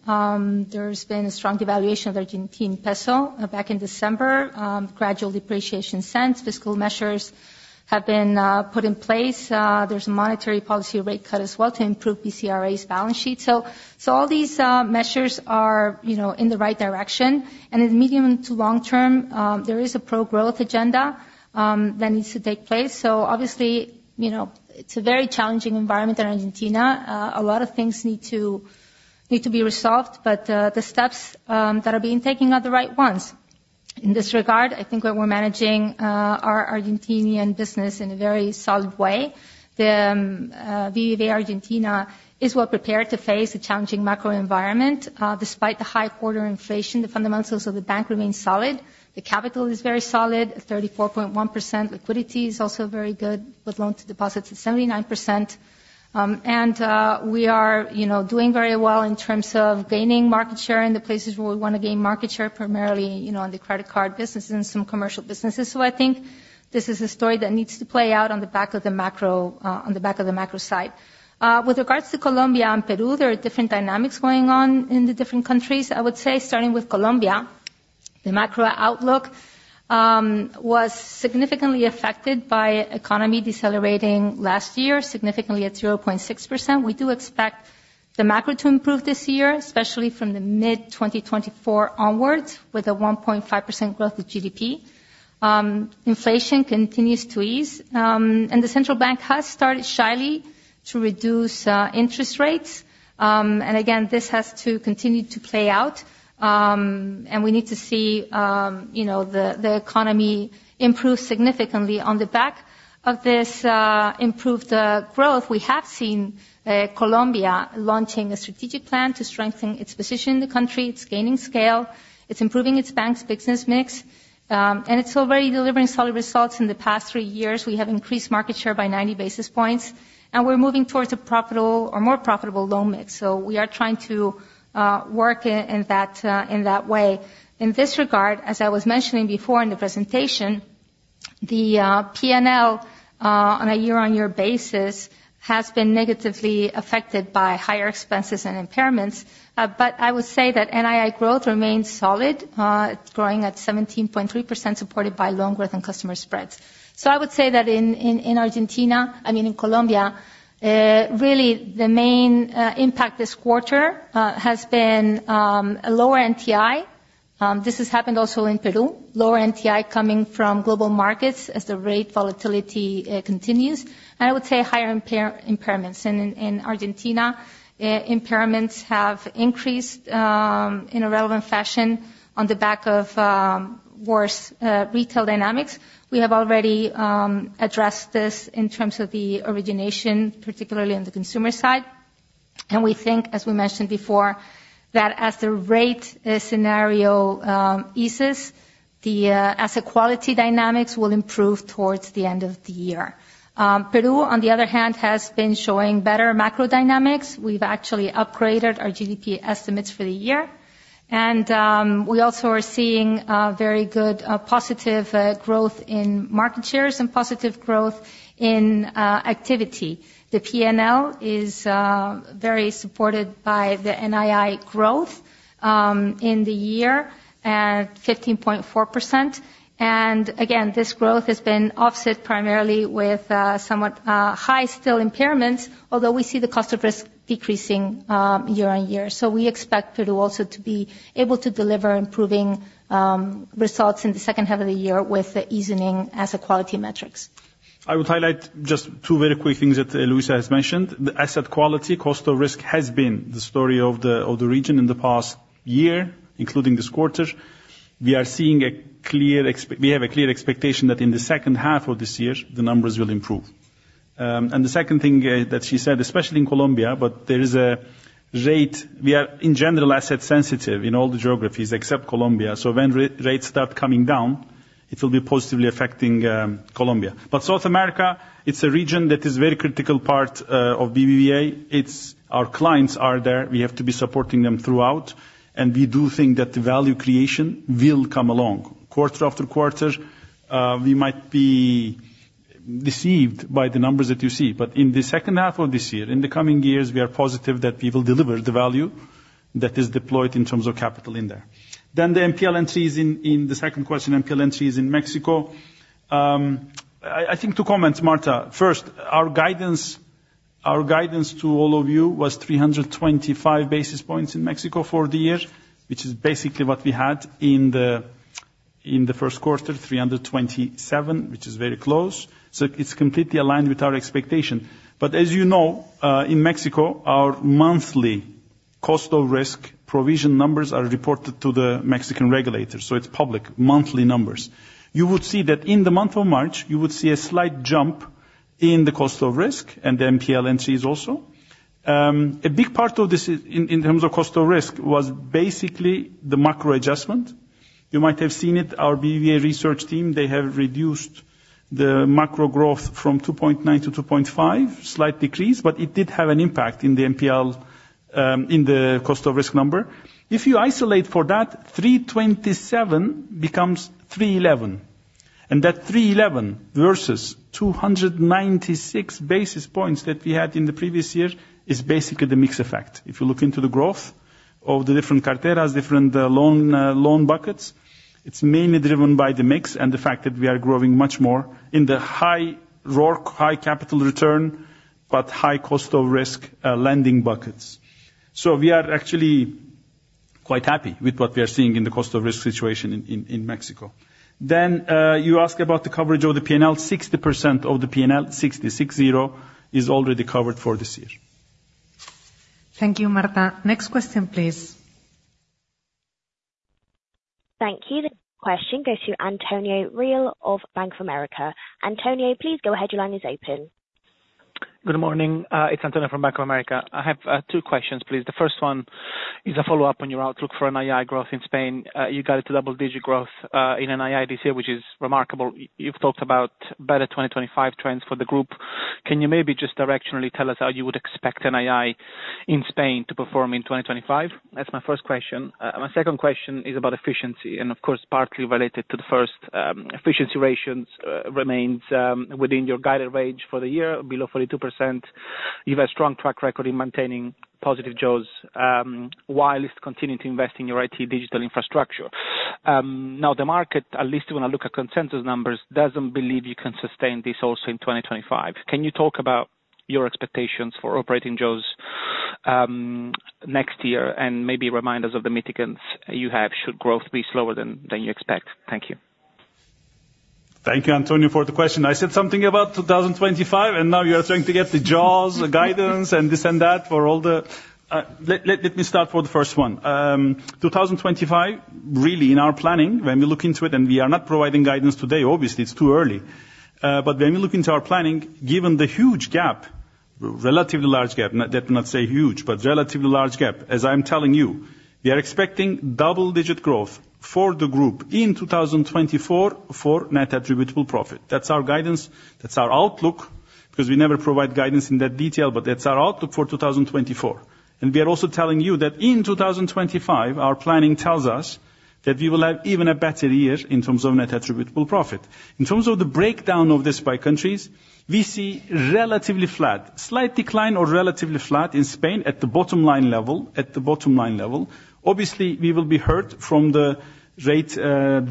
There's been a strong devaluation of the Argentine peso back in December, gradual depreciation since. Fiscal measures have been put in place. There's a monetary policy rate cut as well to improve BCRA's balance sheet. So, all these measures are in the right direction. And in the medium to long term, there is a pro-growth agenda that needs to take place. So, obviously, it's a very challenging environment in Argentina. A lot of things need to be resolved, but the steps that are being taken are the right ones. In this regard, I think that we're managing our Argentinian business in a very solid way. BBVA Argentina is well prepared to face the challenging macro environment. Despite the high quarterly inflation, the fundamentals of the bank remain solid. The capital is very solid, 34.1%. Liquidity is also very good with loan-to-deposits at 79%. And we are doing very well in terms of gaining market share in the places where we want to gain market share, primarily on the credit card businesses and some commercial businesses. So, I think this is a story that needs to play out on the back of the macro side. With regards to Colombia and Peru, there are different dynamics going on in the different countries, I would say. Starting with Colombia, the macro outlook was significantly affected by economy decelerating last year, significantly at 0.6%. We do expect the macro to improve this year, especially from the mid-2024 onwards with a 1.5% growth of GDP. Inflation continues to ease. The central bank has started shyly to reduce interest rates. Again, this has to continue to play out. We need to see the economy improve significantly on the back of this improved growth we have seen, Colombia launching a strategic plan to strengthen its position in the country. It's gaining scale. It's improving its bank's business mix. It's already delivering solid results. In the past three years, we have increased market share by 90 basis points. We're moving towards a profitable or more profitable loan mix. So, we are trying to work in that way. In this regard, as I was mentioning before in the presentation, the P&L on a year-on-year basis has been negatively affected by higher expenses and impairments. But I would say that NII growth remains solid, growing at 17.3%, supported by loan growth and customer spreads. So, I would say that in Argentina I mean, in Colombia, really, the main impact this quarter has been a lower NTI. This has happened also in Peru, lower NII coming from global markets as the rate volatility continues. I would say higher impairments. And in Argentina, impairments have increased in a relevant fashion on the back of worse retail dynamics. We have already addressed this in terms of the origination, particularly on the consumer side. We think, as we mentioned before, that as the rate scenario eases, the asset quality dynamics will improve towards the end of the year. Peru, on the other hand, has been showing better macro dynamics. We've actually upgraded our GDP estimates for the year. We also are seeing very good positive growth in market shares and positive growth in activity. The P&L is very supported by the NII growth in the year at 15.4%. And again, this growth has been offset primarily with somewhat high still impairments, although we see the cost of risk decreasing year-on-year. So, we expect Peru also to be able to deliver improving results in the second half of the year with easing asset quality metrics. I would highlight just two very quick things that Luisa has mentioned. The asset quality, cost of risk has been the story of the region in the past year, including this quarter. We are seeing a clear expectation that in the second half of this year, the numbers will improve. And the second thing that she said, especially in Colombia, but there is a rate we are, in general, asset-sensitive in all the geographies except Colombia. So, when rates start coming down, it will be positively affecting Colombia. But South America, it's a region that is a very critical part of BBVA. Our clients are there. We have to be supporting them throughout. And we do think that the value creation will come along quarter after quarter. We might be deceived by the numbers that you see. But in the second half of this year, in the coming years, we are positive that we will deliver the value that is deployed in terms of capital in there. Then the NPL entries in the second question, NPL entries in Mexico. I think two comments, Marta. First, our guidance to all of you was 325 basis points in Mexico for the year, which is basically what we had in the first quarter, 327, which is very close. So, it's completely aligned with our expectation. But as you know, in Mexico, our monthly cost of risk provision numbers are reported to the Mexican regulators. So, it's public, monthly numbers. You would see that in the month of March, you would see a slight jump in the cost of risk and the NPL entries also. A big part of this in terms of cost of risk was basically the macro adjustment. You might have seen it. Our BBVA research team, they have reduced the macro growth from 2.9 to 2.5, slight decrease. But it did have an impact in the NPL in the cost of risk number. If you isolate for that, 327 becomes 311. And that 311 versus 296 basis points that we had in the previous year is basically the mix effect. If you look into the growth of the different carteras, different loan buckets, it's mainly driven by the mix and the fact that we are growing much more in the high RORC, high capital return, but high cost of risk lending buckets. So, we are actually quite happy with what we are seeing in the cost of risk situation in Mexico. Then you ask about the coverage of the P&L. 60% of the P&L, 60, 60, is already covered for this year. Thank you, Marta. Next question, please. Thank you. The question goes to Antonio Reale of Bank of America. Antonio, please go ahead. Your line is open. Good morning. It's Antonio from Bank of America. I have two questions, please. The first one is a follow-up on your outlook for NII growth in Spain. You got it to double-digit growth in NII this year, which is remarkable. You've talked about better 2025 trends for the group. Can you maybe just directionally tell us how you would expect NII in Spain to perform in 2025? That's my first question. My second question is about efficiency and, of course, partly related to the first. Efficiency ratios remain within your guided range for the year, below 42%. You've had a strong track record in maintaining positive jaws while continuing to invest in your IT digital infrastructure. Now, the market, at least when I look at consensus numbers, doesn't believe you can sustain this also in 2025. Can you talk about your expectations for operating jaws next year and maybe remind us of the mitigants you have should growth be slower than you expect? Thank you. Thank you, Antonio, for the question. I said something about 2025, and now you are trying to get the jaws guidance and this and that for all the. Let me start for the first one. 2025, really, in our planning, when we look into it and we are not providing guidance today, obviously, it's too early. But when we look into our planning, given the huge gap, relatively large gap, let me not say huge, but relatively large gap, as I'm telling you, we are expecting double-digit growth for the group in 2024 for net attributable profit. That's our guidance. That's our outlook because we never provide guidance in that detail, but that's our outlook for 2024. We are also telling you that in 2025, our planning tells us that we will have even a better year in terms of net attributable profit. In terms of the breakdown of this by countries, we see relatively flat, slight decline or relatively flat in Spain at the bottom line level, at the bottom line level. Obviously, we will be hurt from the rate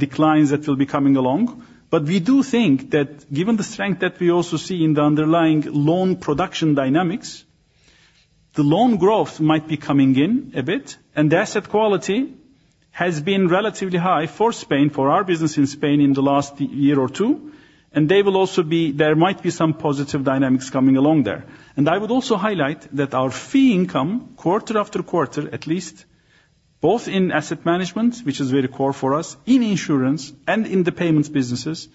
declines that will be coming along. But we do think that given the strength that we also see in the underlying loan production dynamics, the loan growth might be coming in a bit. And the asset quality has been relatively high for Spain, for our business in Spain in the last year or two. And I would also highlight that our fee income, quarter after quarter at least, both in asset management, which is very core for us, in insurance, and in the payments businesses,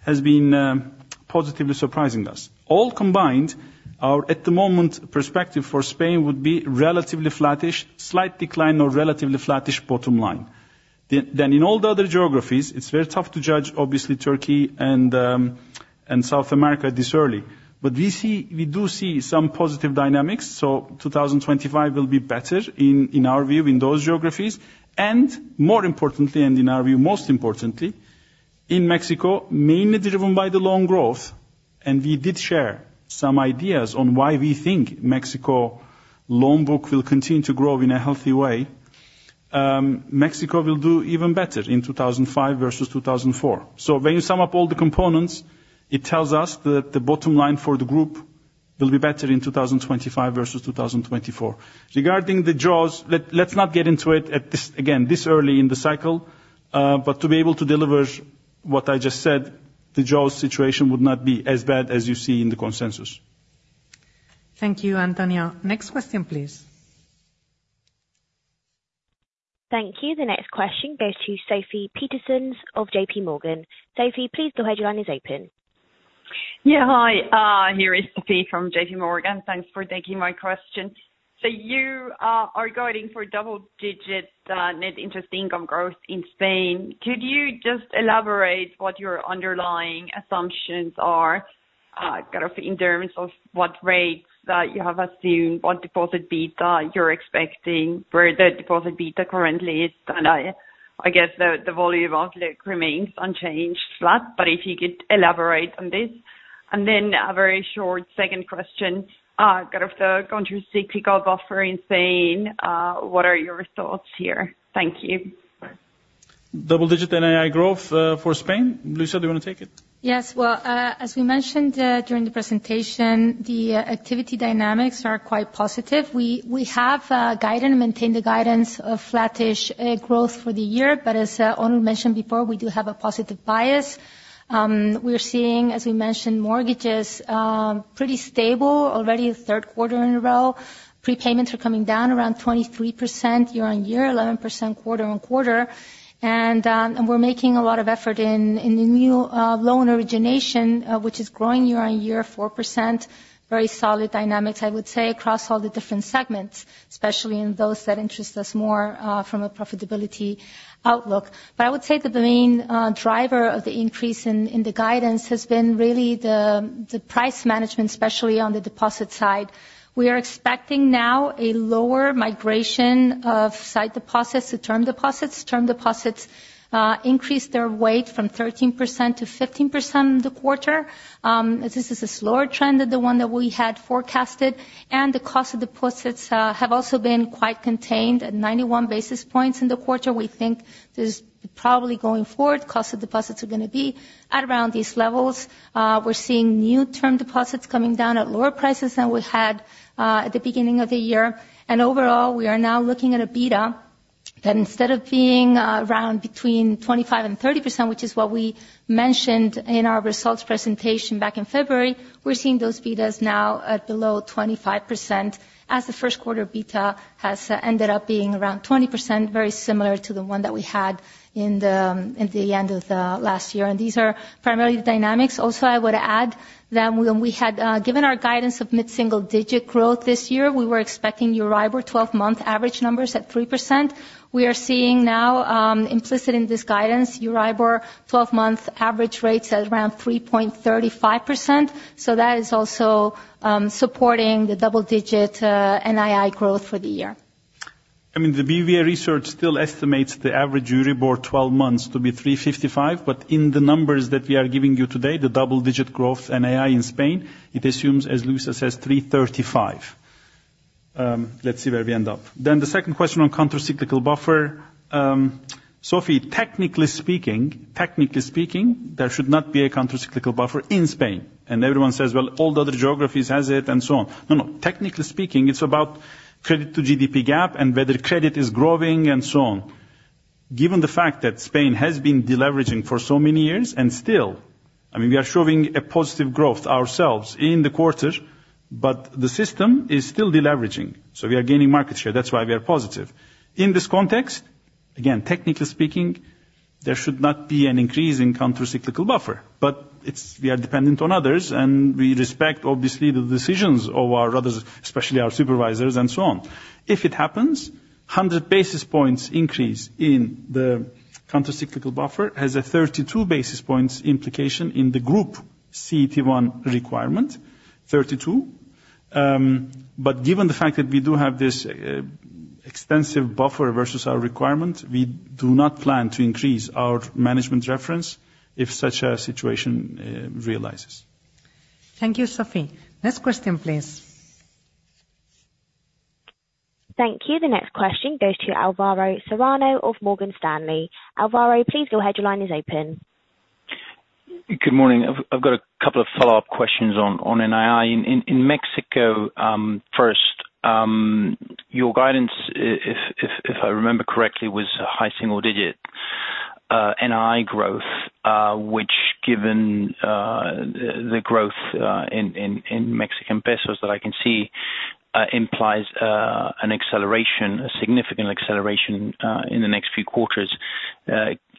has been positively surprising us. All combined, at the moment, perspective for Spain would be relatively flattish, slight decline or relatively flattish bottom line. Then in all the other geographies, it's very tough to judge, obviously, Turkey and South America this early. But we do see some positive dynamics. So, 2025 will be better in our view in those geographies. And more importantly, and in our view, most importantly, in Mexico, mainly driven by the loan growth. And we did share some ideas on why we think Mexico loan book will continue to grow in a healthy way. Mexico will do even better in 2025 versus 2024. So, when you sum up all the components, it tells us that the bottom line for the group will be better in 2025 versus 2024. Regarding the jaws, let's not get into it again this early in the cycle. But to be able to deliver what I just said, the jaws situation would not be as bad as you see in the consensus. Thank you, Antonio. Next question, please. Thank you. The next question goes to Sofie Peterzens of JPMorgan. Sophie, please go ahead. Your line is open. Yeah. Hi. Here is Sophie from JPMorgan. Thanks for taking my question. So, you are guiding for double-digit net interest income growth in Spain. Could you just elaborate what your underlying assumptions are kind of in terms of what rates you have assumed, what deposit beta you're expecting, where the deposit beta currently is? And I guess the volume outlook remains unchanged, flat. But if you could elaborate on this. And then a very short second question, kind of the countercyclical buffer in Spain, what are your thoughts here? Thank you. Double-digit NII growth for Spain. Luisa, do you want to take it? Yes. Well, as we mentioned during the presentation, the activity dynamics are quite positive. We have guided and maintained the guidance of flattish growth for the year. But as Onur mentioned before, we do have a positive bias. We are seeing, as we mentioned, mortgages pretty stable already third quarter in a row. Prepayments are coming down around 23% year-on-year, 11% quarter-on-quarter. And we're making a lot of effort in the new loan origination, which is growing year-on-year, 4%, very solid dynamics, I would say, across all the different segments, especially in those that interest us more from a profitability outlook. But I would say that the main driver of the increase in the guidance has been really the price management, especially on the deposit side. We are expecting now a lower migration of sight deposits, the term deposits. Term deposits increased their weight from 13%-15% in the quarter. This is a slower trend than the one that we had forecasted. The cost of deposits have also been quite contained at 91 basis points in the quarter. We think this is probably going forward. Cost of deposits are going to be at around these levels. We're seeing new term deposits coming down at lower prices than we had at the beginning of the year. Overall, we are now looking at a beta that instead of being around between 25%-30%, which is what we mentioned in our results presentation back in February, we're seeing those betas now at below 25% as the first quarter beta has ended up being around 20%, very similar to the one that we had in the end of last year. These are primarily the dynamics. Also, I would add that when we had given our guidance of mid-single-digit growth this year, we were expecting Euribor 12-month average numbers at 3%. We are seeing now implicit in this guidance, Euribor 12-month average rates at around 3.35%. So, that is also supporting the double-digit NII growth for the year. I mean, the BBVA Research still estimates the average Euribor 12 months to be 3.55%. In the numbers that we are giving you today, the double-digit growth NII in Spain, it assumes, as Luisa says, 335. Let's see where we end up. The second question on countercyclical buffer. Sophie, technically speaking, technically speaking, there should not be a countercyclical buffer in Spain. And everyone says, "Well, all the other geographies have it," and so on. No, no. Technically speaking, it's about credit-to-GDP gap and whether credit is growing and so on. Given the fact that Spain has been deleveraging for so many years and still, I mean, we are showing a positive growth ourselves in the quarter, but the system is still deleveraging. So, we are gaining market share. That's why we are positive. In this context, again, technically speaking, there should not be an increase in countercyclical buffer. But we are dependent on others, and we respect, obviously, the decisions of our others, especially our supervisors and so on. If it happens, 100 basis points increase in the countercyclical buffer has a 32 basis points implication in the group CET1 requirement, 32. But given the fact that we do have this extensive buffer versus our requirement, we do not plan to increase our management reference if such a situation realizes. Thank you, Sophie. Next question, please. Thank you. The next question goes to Alvaro Serrano of Morgan Stanley. Alvaro, please go ahead. Your line is open. Good morning. I've got a couple of follow-up questions on NII. In Mexico first, your guidance, if I remember correctly, was high single-digit NII growth, which given the growth in Mexican pesos that I can see implies an acceleration, a significant acceleration in the next few quarters.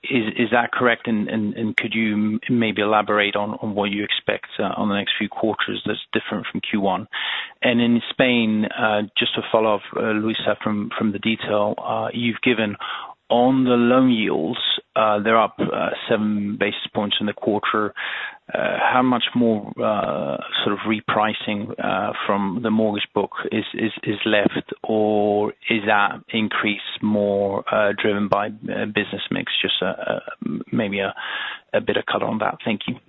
Is that correct? Could you maybe elaborate on what you expect on the next few quarters that's different from Q1? In Spain, just to follow up, Luisa, from the detail you've given, on the loan yields, they're up seven basis points in the quarter. How much more sort of repricing from the mortgage book is left, or is that increase more driven by business mix? Just maybe a bit of color on that. Thank you.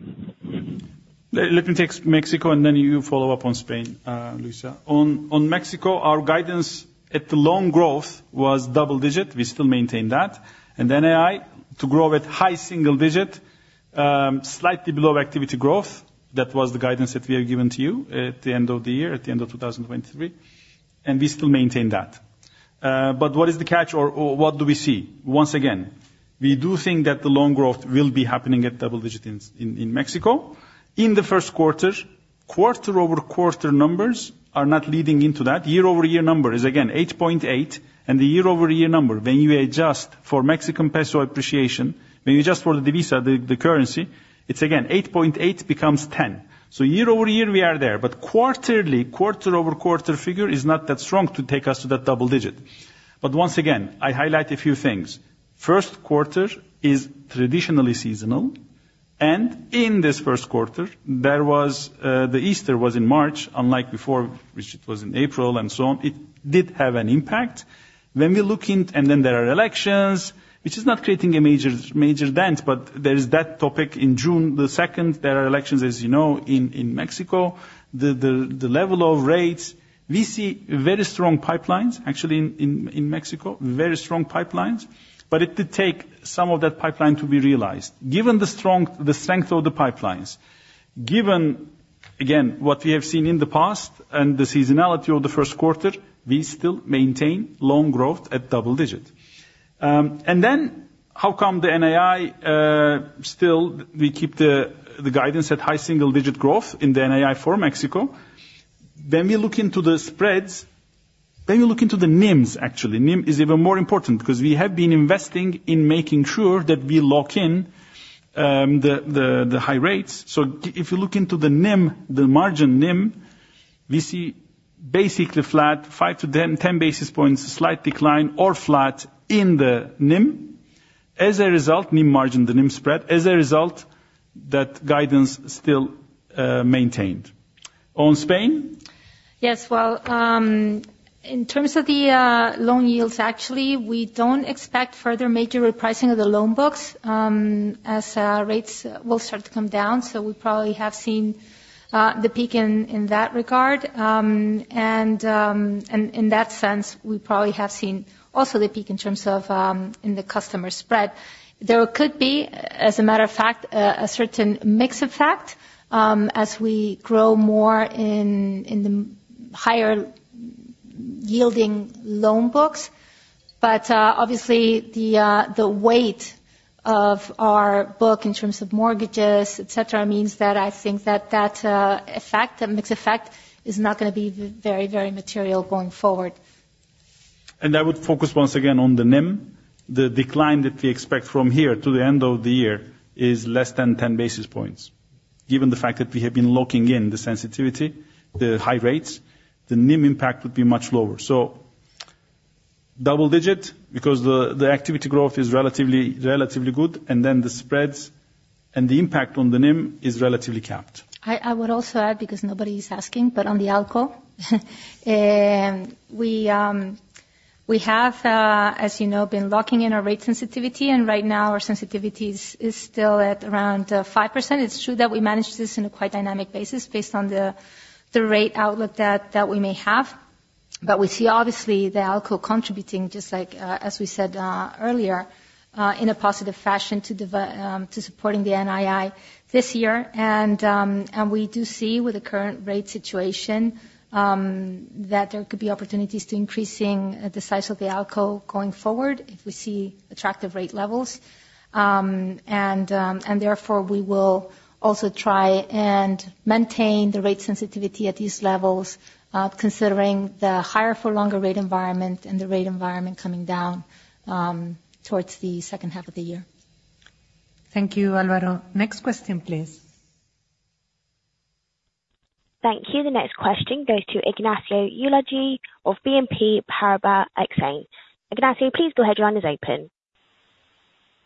Let me take Mexico, and then you follow up on Spain, Luisa. On Mexico, our guidance at the loan growth was double-digit. We still maintain that. NII to grow at high single-digit, slightly below activity growth. That was the guidance that we have given to you at the end of the year, at the end of 2023. We still maintain that. What is the catch, or what do we see? Once again, we do think that the loan growth will be happening at double-digit in Mexico. In the first quarter, quarter-over-quarter numbers are not leading into that. Year-over-year number is, again, 8.8. And the year-over-year number, when you adjust for Mexican peso appreciation, when you adjust for the divisa, the currency, it's, again, 8.8 becomes 10. So, year-over-year, we are there. But quarterly, quarter-over-quarter figure is not that strong to take us to that double-digit. But once again, I highlight a few things. First quarter is traditionally seasonal. And in this first quarter, there was the Easter was in March, unlike before, which it was in April and so on. It did have an impact. When we look in and then there are elections, which is not creating a major dent, but there is that topic. On June 2nd, there are elections, as you know, in Mexico. The level of rates, we see very strong pipelines, actually, in Mexico, very strong pipelines. But it did take some of that pipeline to be realized. Given the strength of the pipelines, given, again, what we have seen in the past and the seasonality of the first quarter, we still maintain loan growth at double-digit. And then how come the NII still we keep the guidance at high single-digit growth in the NII for Mexico? When we look into the spreads, when we look into the NIMs, actually, NIM is even more important because we have been investing in making sure that we lock in the high rates. So, if you look into the NIM, the margin NIM, we see basically flat, 5-10 basis points, slight decline or flat in the NIM. As a result, NIM margin, the NIM spread, as a result, that guidance still maintained. On Spain? Yes. Well, in terms of the loan yields, actually, we don't expect further major repricing of the loan books as rates will start to come down. So, we probably have seen the peak in that regard. And in that sense, we probably have seen also the peak in terms of in the customer spread. There could be, as a matter of fact, a certain mix effect as we grow more in the higher-yielding loan books. But obviously, the weight of our book in terms of mortgages, etc., means that I think that that effect, that mix effect, is not going to be very, very material going forward. And I would focus, once again, on the NIM. The decline that we expect from here to the end of the year is less than 10 basis points. Given the fact that we have been locking in the sensitivity, the high rates, the NIM impact would be much lower. So, double-digit because the activity growth is relatively good, and then the spreads and the impact on the NIM is relatively capped. I would also add, because nobody is asking, but on the ALCO, we have, as you know, been locking in our rate sensitivity. And right now, our sensitivity is still at around 5%. It's true that we manage this on a quite dynamic basis based on the rate outlook that we may have. But we see, obviously, the ALCO contributing, just like as we said earlier, in a positive fashion to supporting the NII this year. And we do see, with the current rate situation, that there could be opportunities to increase the size of the ALCO going forward if we see attractive rate levels. Therefore, we will also try and maintain the rate sensitivity at these levels, considering the higher-for-longer rate environment and the rate environment coming down towards the second half of the year. Thank you, Alvaro. Next question, please. Thank you. The next question goes to Ignacio Ulargui of BNP Paribas Exane. Ignacio, please go ahead. Your line is open.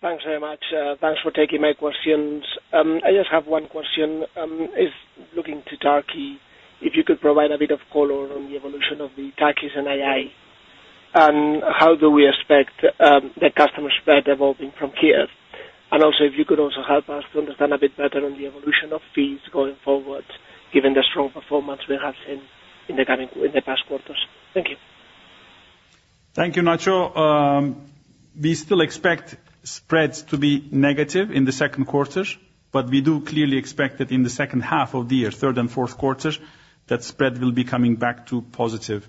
Thanks very much. Thanks for taking my questions. I just have one question. Looking to Turkey, if you could provide a bit of color on the evolution of the Turkish NII, and how do we expect the customer spread evolving from here? And also, if you could also help us to understand a bit better on the evolution of fees going forward, given the strong performance we have seen in the past quarters. Thank you. Thank you, Nacho. We still expect spreads to be negative in the second quarters. But we do clearly expect that in the second half of the year, third and fourth quarters, that spread will be coming back to positive,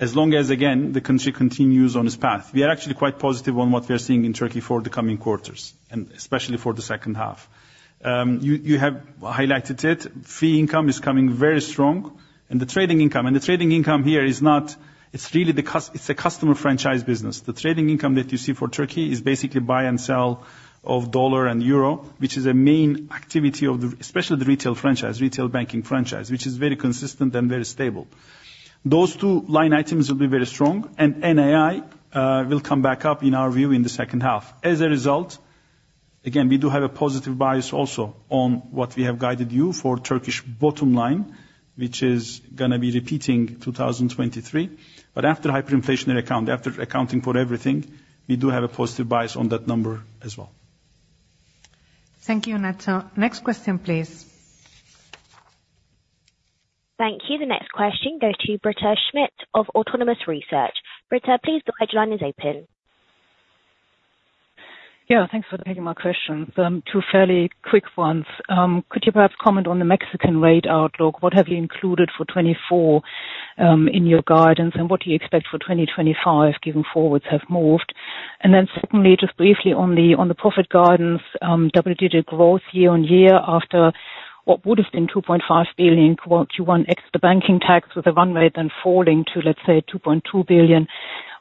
as long as, again, the country continues on its path. We are actually quite positive on what we are seeing in Turkey for the coming quarters, and especially for the second half. You have highlighted it. Fee income is coming very strong. And the trading income here is not; it's really the; it's a customer franchise business. The trading income that you see for Turkey is basically buy and sell of dollar and euro, which is a main activity of the, especially the retail franchise, retail banking franchise, which is very consistent and very stable. Those two line items will be very strong. And NII will come back up, in our view, in the second half. As a result, again, we do have a positive bias also on what we have guided you for Turkish bottom line, which is going to be repeating 2023. But after hyperinflationary accounting, after accounting for everything, we do have a positive bias on that number as well. Thank you, Nacho. Next question, please. Thank you. The next question goes to Britta Schmidt of Autonomous Research. Britta, please go ahead. Your line is open. Yeah. Thanks for taking my questions. Two fairly quick ones. Could you perhaps comment on the Mexican rate outlook? What have you included for 2024 in your guidance, and what do you expect for 2025, given forwards have moved? Then secondly, just briefly, on the profit guidance, double-digit growth year on year after what would have been 2.5 billion, Q1 extra banking tax with a run rate then falling to, let's say, 2.2 billion,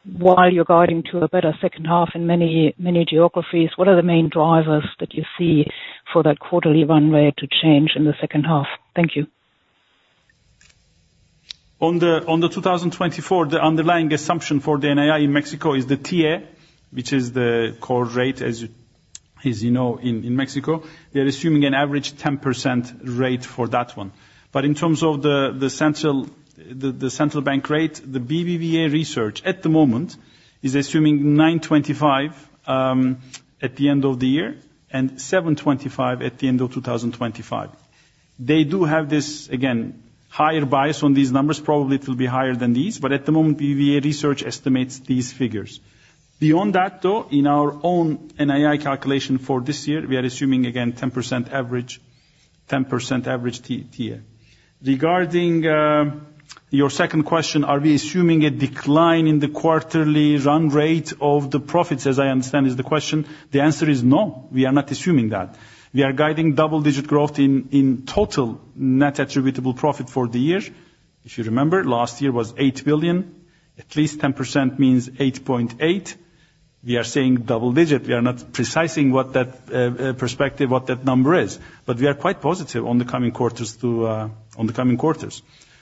while you're guiding to a better second half in many geographies, what are the main drivers that you see for that quarterly run rate to change in the second half? Thank you. On the 2024, the underlying assumption for the NII in Mexico is the TIIE, which is the core rate, as you know, in Mexico. They are assuming an average 10% rate for that one. But in terms of the central bank rate, the BBVA research, at the moment, is assuming 9.25 at the end of the year and 7.25 at the end of 2025. They do have this, again, higher bias on these numbers. Probably, it will be higher than these. But at the moment, BBVA Research estimates these figures. Beyond that, though, in our own NII calculation for this year, we are assuming, again, 10% average, 10% average TIIE. Regarding your second question, are we assuming a decline in the quarterly run rate of the profits, as I understand, is the question? The answer is no. We are not assuming that. We are guiding double-digit growth in total net attributable profit for the year. If you remember, last year was 8 billion. At least 10% means 8.8 billion. We are saying double-digit. We are not specifying what that perspective, what that number is. But we are quite positive on the coming quarters to on the coming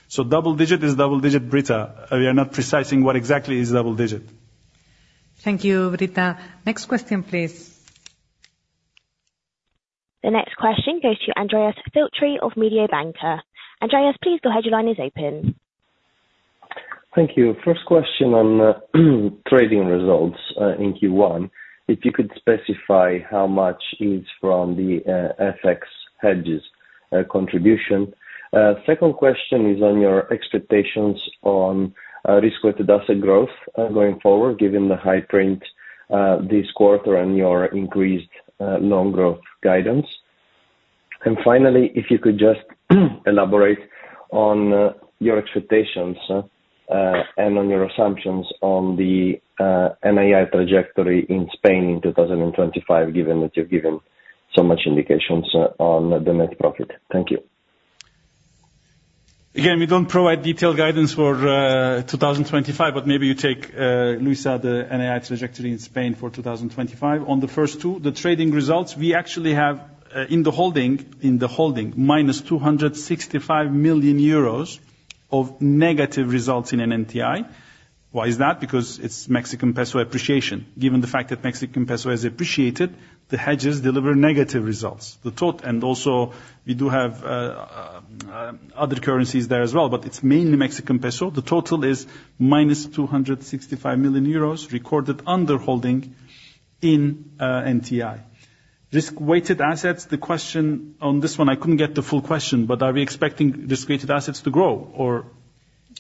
quarters. So, double-digit is double-digit, Britta. We are not specifying what exactly is double-digit. Thank you, Britta. Next question, please. The next question goes to Andrea Filtri of Mediobanca. Andrea, please go ahead. Your line is open. Thank you. First question on trading results in Q1. If you could specify how much is from the FX hedges contribution. Second question is on your expectations on risk-weighted asset growth going forward, given the high print this quarter and your increased loan growth guidance. And finally, if you could just elaborate on your expectations and on your assumptions on the NII trajectory in Spain in 2025, given that you've given so much indications on the net profit. Thank you. Again, we don't provide detailed guidance for 2025. But maybe you take, Luisa, the NII trajectory in Spain for 2025. On the first two, the trading results, we actually have in the holding, in the holding, -265 million euros of negative results in NTI. Why is that? Because it's Mexican peso appreciation. Given the fact that Mexican peso has appreciated, the hedges deliver negative results. Also, we do have other currencies there as well. But it's mainly Mexican peso. The total is -265 million euros recorded under NTI. Risk-weighted assets, the question on this one, I couldn't get the full question. But are we expecting risk-weighted assets to grow, or?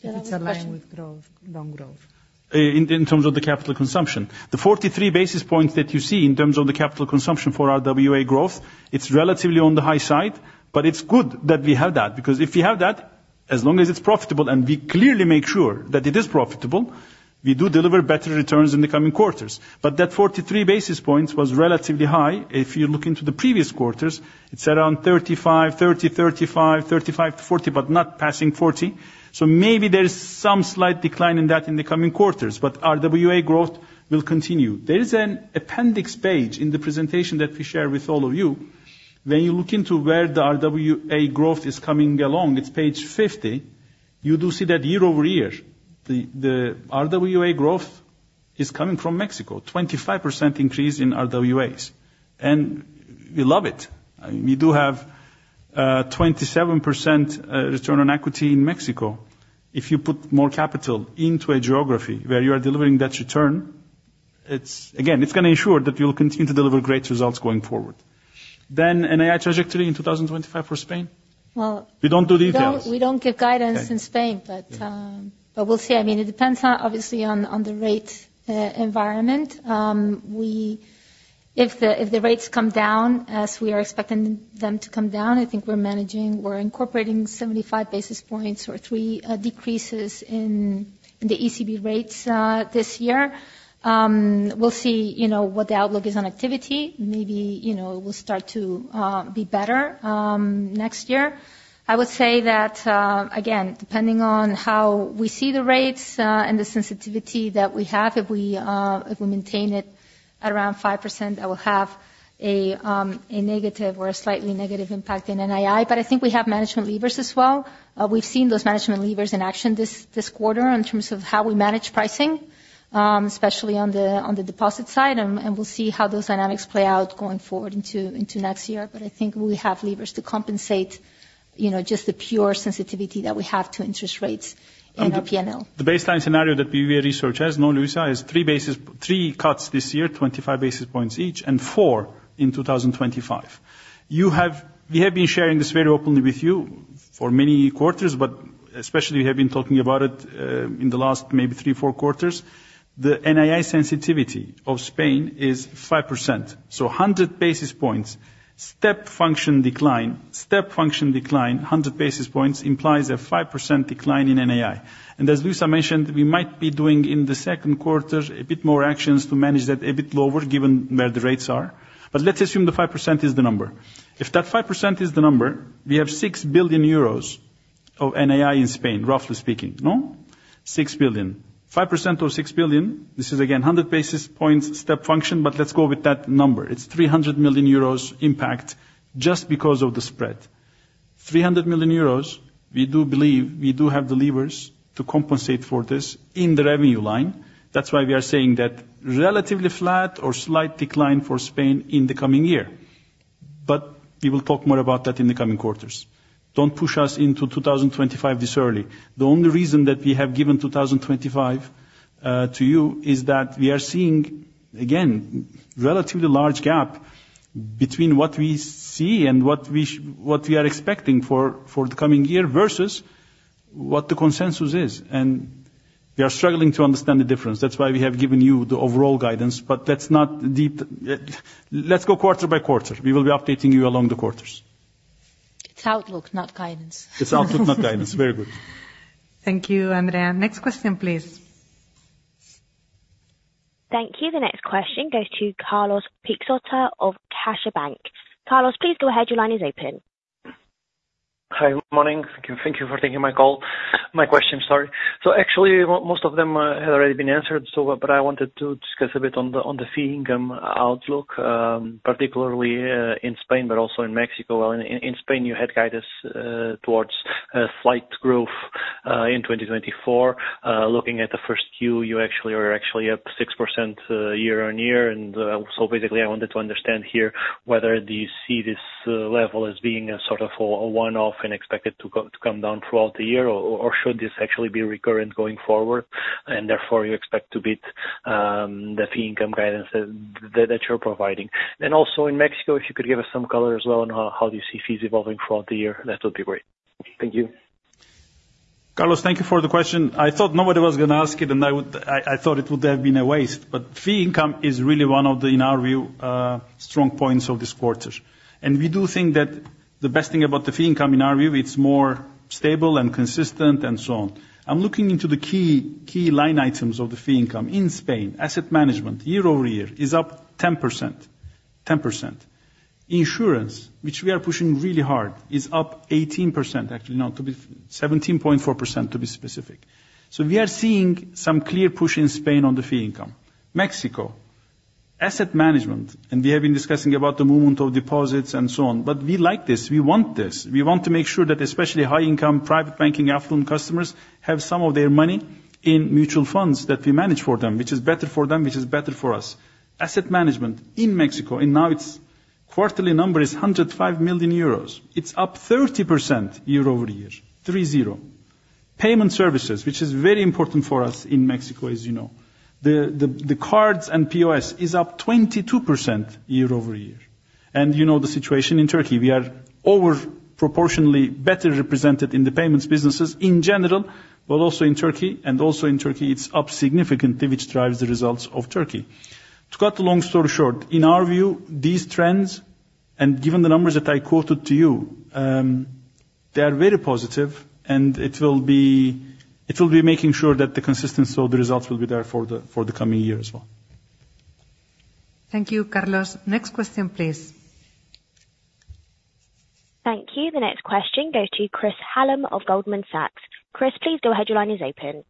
It's aligned with growth, loan growth. In terms of the capital consumption. The 43 basis points that you see in terms of the capital consumption for our RWA growth, it's relatively on the high side. But it's good that we have that because if we have that, as long as it's profitable and we clearly make sure that it is profitable, we do deliver better returns in the coming quarters. But that 43 basis points was relatively high. If you look into the previous quarters, it's around 35, 30, 35, 35-40, but not passing 40. So, maybe there's some slight decline in that in the coming quarters. But our WA growth will continue. There is an appendix page in the presentation that we share with all of you. When you look into where the RWA growth is coming along, it's page 50. You do see that year-over-year, the RWA growth is coming from Mexico, 25% increase in RWAs. And we love it. We do have 27% return on equity in Mexico. If you put more capital into a geography where you are delivering that return, it's, again, it's going to ensure that you'll continue to deliver great results going forward. Then, NII trajectory in 2025 for Spain? Well. We don't do details. We don't give guidance in Spain. But we'll see. I mean, it depends, obviously, on the rate environment. If the rates come down as we are expecting them to come down, I think we're incorporating 75 basis points or three decreases in the ECB rates this year. We'll see what the outlook is on activity. Maybe it will start to be better next year. I would say that, again, depending on how we see the rates and the sensitivity that we have, if we maintain it at around 5%, that will have a negative or a slightly negative impact in NII. But I think we have management levers as well. We've seen those management levers in action this quarter in terms of how we manage pricing, especially on the deposit side. And we'll see how those dynamics play out going forward into next year. But I think we have levers to compensate just the pure sensitivity that we have to interest rates and the P&L. The baseline scenario that BBVA Research has, Onur, Luisa, is three cuts this year, 25 basis points each, and four in 2025. We have been sharing this very openly with you for many quarters. But especially, we have been talking about it in the last maybe three, four quarters. The NII sensitivity of Spain is 5%. So, 100 basis points, step function decline, step function decline, 100 basis points implies a 5% decline in NII. And as Luisa mentioned, we might be doing in the second quarter a bit more actions to manage that a bit lower, given where the rates are. But let's assume the 5% is the number. If that 5% is the number, we have 6 billion euros of NII in Spain, roughly speaking, no? 6 billion. 5% of 6 billion, this is, again, 100 basis points step function. But let's go with that number. It's 300 million euros impact just because of the spread. 300 million euros, we do believe we do have the levers to compensate for this in the revenue line. That's why we are saying that relatively flat or slight decline for Spain in the coming year. But we will talk more about that in the coming quarters. Don't push us into 2025 this early. The only reason that we have given 2025 to you is that we are seeing, again, relatively large gap between what we see and what we are expecting for the coming year versus what the consensus is. And we are struggling to understand the difference. That's why we have given you the overall guidance. But that's not deep let's go quarter by quarter. We will be updating you along the quarters. It's outlook, not guidance. It's outlook, not guidance. Very good. Thank you, Andrea. Next question, please. Thank you. The next question goes to Carlos Peixoto of CaixaBank. Carlos, please go ahead. Your line is open. Hi. Good morning. Thank you for taking my call, my question, sorry. So, actually, most of them had already been answered. But I wanted to discuss a bit on the fee income outlook, particularly in Spain, but also in Mexico. Well, in Spain, you had guidance towards slight growth in 2024. Looking at the first Q, you actually are up 6% year-on-year. And so, basically, I wanted to understand here whether do you see this level as being a sort of a one-off and expected to come down throughout the year? Or should this actually be recurrent going forward? And therefore, you expect to beat the fee income guidance that you're providing. And also, in Mexico, if you could give us some color as well on how do you see fees evolving throughout the year, that would be great. Thank you. Carlos, thank you for the question. I thought nobody was going to ask it. And I thought it would have been a waste. But fee income is really one of the, in our view, strong points of this quarter. And we do think that the best thing about the fee income, in our view, it's more stable and consistent and so on. I'm looking into the key line items of the fee income in Spain. Asset management, year-over-year, is up 10%, 10%. Insurance, which we are pushing really hard, is up 18%, actually, no, 17.4%, to be specific. So, we are seeing some clear push in Spain on the fee income. Mexico, asset management, and we have been discussing about the movement of deposits and so on. But we like this. We want this. We want to make sure that especially high-income private banking afternoon customers have some of their money in mutual funds that we manage for them, which is better for them, which is better for us. Asset management in Mexico, and now its quarterly number is 105 million euros. It's up 30% year-over-year. Payment services, which is very important for us in Mexico, as you know. The cards and POS is up 22% year-over-year. And you know the situation in Turkey. We are overproportionately better represented in the payments businesses in general, but also in Turkey. And also in Turkey, it's up significantly, which drives the results of Turkey. To cut the long story short, in our view, these trends, and given the numbers that I quoted to you, they are very positive. And it will be making sure that the consistency of the results will be there for the coming year as well. Thank you, Carlos. Next question, please. Thank you. The next question goes to Chris Hallam of Goldman Sachs. Chris, please go ahead. Your line is open.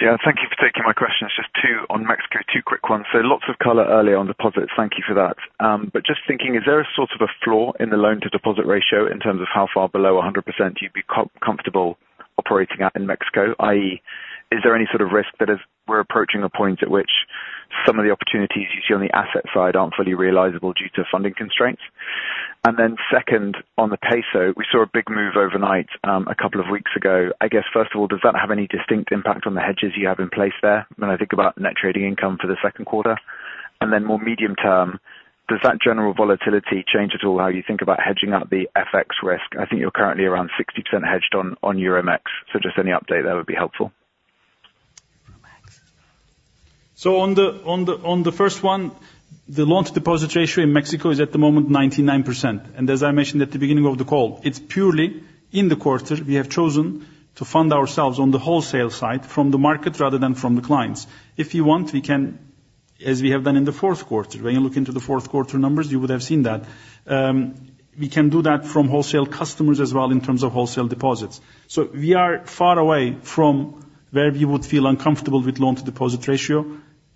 Yeah. Thank you for taking my question. It's just two on Mexico, two quick ones. So, lots of color earlier on deposits. Thank you for that. But just thinking, is there a sort of a floor in the loan-to-deposit ratio in terms of how far below 100% you'd be comfortable operating at in Mexico? I.e., is there any sort of risk that we're approaching a point at which some of the opportunities you see on the asset side aren't fully realizable due to funding constraints? And then second, on the peso, we saw a big move overnight a couple of weeks ago. I guess, first of all, does that have any distinct impact on the hedges you have in place there when I think about net trading income for the second quarter? And then more medium term, does that general volatility change at all how you think about hedging out the FX risk? I think you're currently around 60% hedged on Euromex. So, just any update there would be helpful. So, on the first one, the loan-to-deposit ratio in Mexico is at the moment 99%. And as I mentioned at the beginning of the call, it's purely in the quarter. We have chosen to fund ourselves on the wholesale side from the market rather than from the clients. If you want, we can, as we have done in the fourth quarter. When you look into the fourth quarter numbers, you would have seen that. We can do that from wholesale customers as well in terms of wholesale deposits. So, we are far away from where we would feel uncomfortable with loan-to-deposit ratio.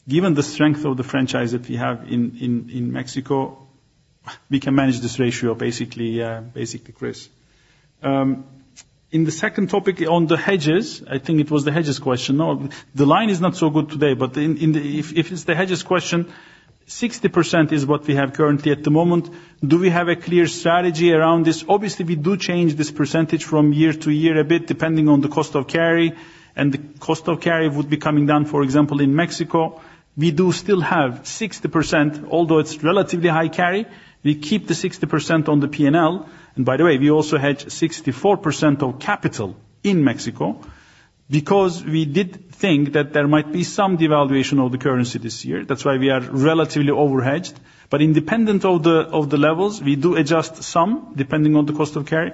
Given the strength of the franchise that we have in Mexico, we can manage this ratio, basically, Chris. In the second topic on the hedges, I think it was the hedges question, no? The line is not so good today. But if it's the hedges question, 60% is what we have currently at the moment. Do we have a clear strategy around this? Obviously, we do change this percentage from year to year a bit depending on the cost of carry. The cost of carry would be coming down, for example, in Mexico. We do still have 60%, although it's relatively high carry. We keep the 60% on the P&L. And by the way, we also hedge 64% of capital in Mexico because we did think that there might be some devaluation of the currency this year. That's why we are relatively overhedged. Independent of the levels, we do adjust some depending on the cost of carry.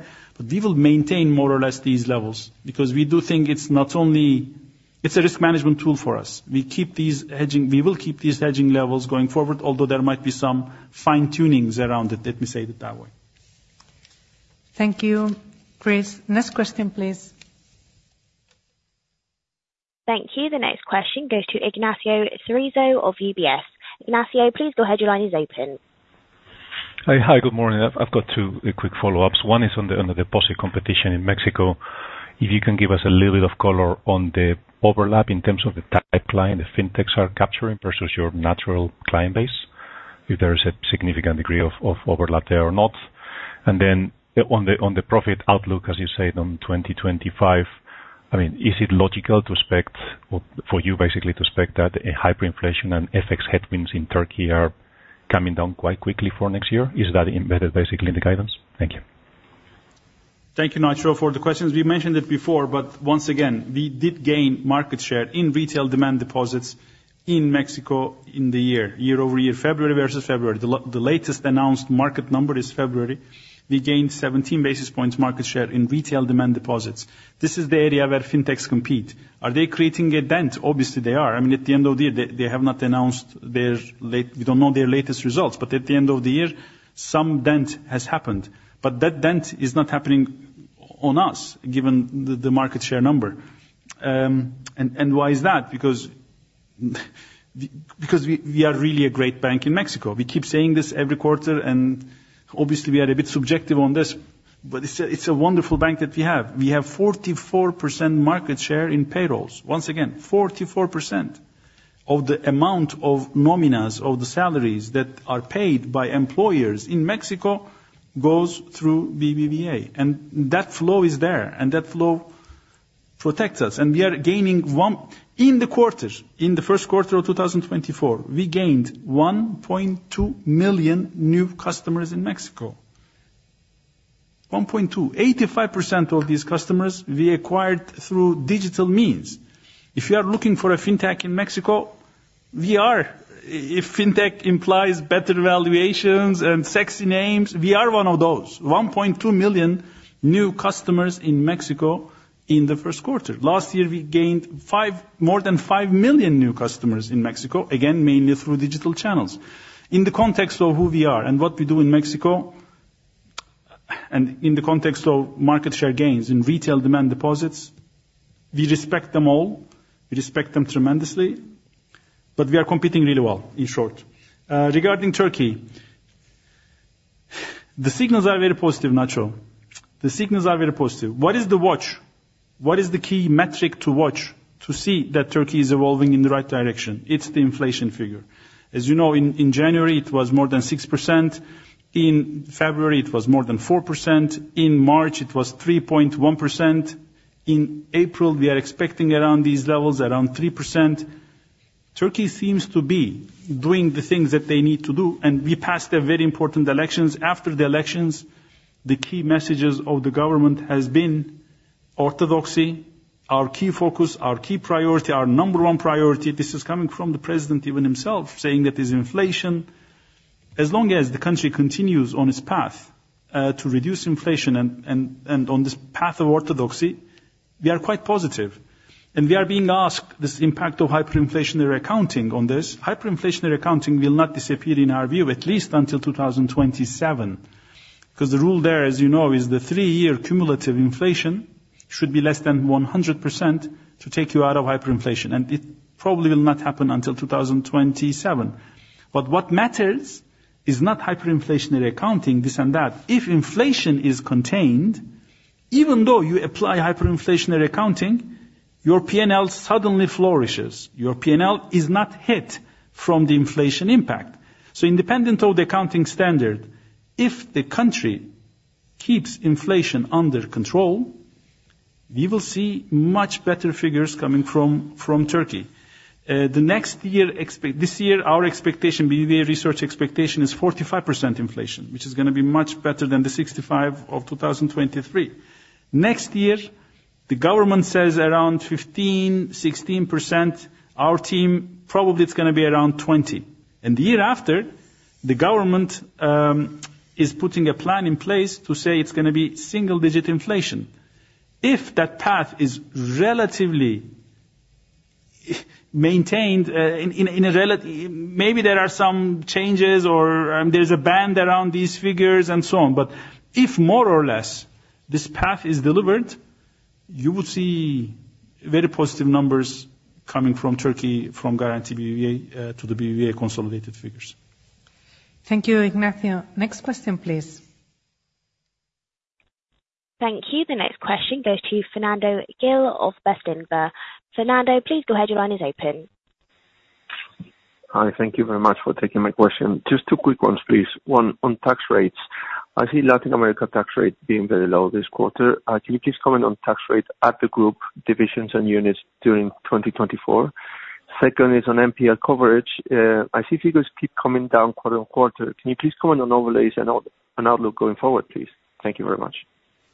We will maintain more or less these levels because we do think it's not only it's a risk management tool for us. We keep these hedging we will keep these hedging levels going forward, although there might be some fine-tunings around it. Let me say it that way. Thank you, Chris. Next question, please. Thank you. The next question goes to Ignacio Cerezo of UBS. Ignacio, please go ahead. Your line is open. Hi. Hi. Good morning. I've got two quick follow-ups. One is on the deposit competition in Mexico. If you can give us a little bit of color on the overlap in terms of the type client the fintechs are capturing versus your natural client base, if there is a significant degree of overlap there or not. And then on the profit outlook, as you said, on 2025, I mean, is it logical to expect for you, basically, to expect that hyperinflation and FX headwinds in Turkey are coming down quite quickly for next year? Is that embedded, basically, in the guidance? Thank you. Thank you, Nacho, for the questions. We mentioned it before. But once again, we did gain market share in retail demand deposits in Mexico in the year-over-year, February versus February. The latest announced market number is February. We gained 17 basis points market share in retail demand deposits. This is the area where fintechs compete. Are they creating a dent? Obviously, they are. I mean, at the end of the year, they have not announced their; we don't know their latest results. But at the end of the year, some dent has happened. But that dent is not happening on us given the market share number. And why is that? Because we are really a great bank in Mexico. We keep saying this every quarter. And obviously, we are a bit subjective on this. But it's a wonderful bank that we have. We have 44% market share in payrolls. Once again, 44% of the amount of nominas of the salaries that are paid by employers in Mexico goes through BBVA. That flow is there. That flow protects us. We are gaining one in the quarter. In the first quarter of 2024, we gained 1.2 million new customers in Mexico, 1.2. 85% of these customers we acquired through digital means. If you are looking for a fintech in Mexico, we are if fintech implies better valuations and sexy names. We are one of those, 1.2 million new customers in Mexico in the first quarter. Last year, we gained more than 5 million new customers in Mexico, again, mainly through digital channels in the context of who we are and what we do in Mexico and in the context of market share gains in retail demand deposits. We respect them all. We respect them tremendously. But we are competing really well, in short. Regarding Turkey, the signals are very positive, Nigel. The signals are very positive. What is the watch? What is the key metric to watch to see that Turkey is evolving in the right direction? It's the inflation figure. As you know, in January, it was more than 6%. In February, it was more than 4%. In March, it was 3.1%. In April, we are expecting around these levels, around 3%. Turkey seems to be doing the things that they need to do. And we passed a very important elections. After the elections, the key messages of the government have been orthodoxy, our key focus, our key priority, our number one priority. This is coming from the president even himself saying that his inflation, as long as the country continues on its path to reduce inflation and on this path of orthodoxy, we are quite positive. We are being asked this impact of hyperinflationary accounting on this. Hyperinflationary accounting will not disappear in our view, at least until 2027, because the rule there, as you know, is the three-year cumulative inflation should be less than 100% to take you out of hyperinflation. It probably will not happen until 2027. But what matters is not hyperinflationary accounting, this and that. If inflation is contained, even though you apply hyperinflationary accounting, your P&L suddenly flourishes. Your P&L is not hit from the inflation impact. So, independent of the accounting standard, if the country keeps inflation under control, we will see much better figures coming from Turkey. The next year this year, our expectation, BBVA Research expectation, is 45% inflation, which is going to be much better than the 65% of 2023. Next year, the government says around 15%-16%. Our team, probably, it's going to be around 20%. And the year after, the government is putting a plan in place to say it's going to be single-digit inflation if that path is relatively maintained. Maybe there are some changes or there's a band around these figures and so on. But if more or less this path is delivered, you would see very positive numbers coming from Turkey, from Garanti BBVA to the BBVA consolidated figures. Thank you, Ignacio. Next question, please. Thank you. The next question goes to Fernando Gil of Bestinver. Fernando, please go ahead. Your line is open. Hi. Thank you very much for taking my question. Just two quick ones, please. One, on tax rates. I see Latin America tax rate being very low this quarter. Can you please comment on tax rate at the group, divisions, and units during 2024? Second is on NPL coverage. I see figures keep coming down quarter-on-quarter. Can you please comment on overlays and outlook going forward, please? Thank you very much.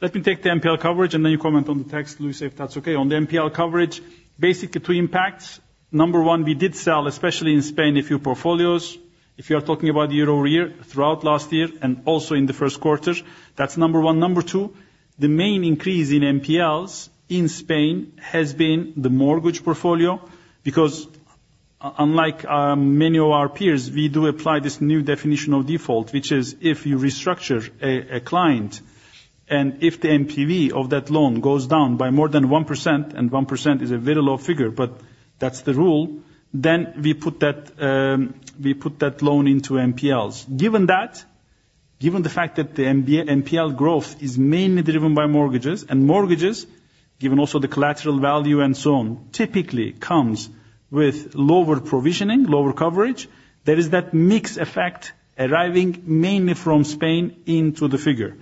Let me take the NPL coverage. And then you comment on the tax, Luisa, if that's okay. On the NPL coverage, basically, two impacts. Number one, we did sell, especially in Spain, a few portfolios if you are talking about year-over-year throughout last year and also in the first quarter. That's number one. Number two, the main increase in NPLs in Spain has been the mortgage portfolio because, unlike many of our peers, we do apply this new definition of default, which is if you restructure a client and if the NPV of that loan goes down by more than 1% - and 1% is a very low figure, but that's the rule - then we put that loan into NPLs. Given that, given the fact that the NPL growth is mainly driven by mortgages and mortgages, given also the collateral value and so on, typically comes with lower provisioning, lower coverage, there is that mixed effect arriving mainly from Spain into the figure.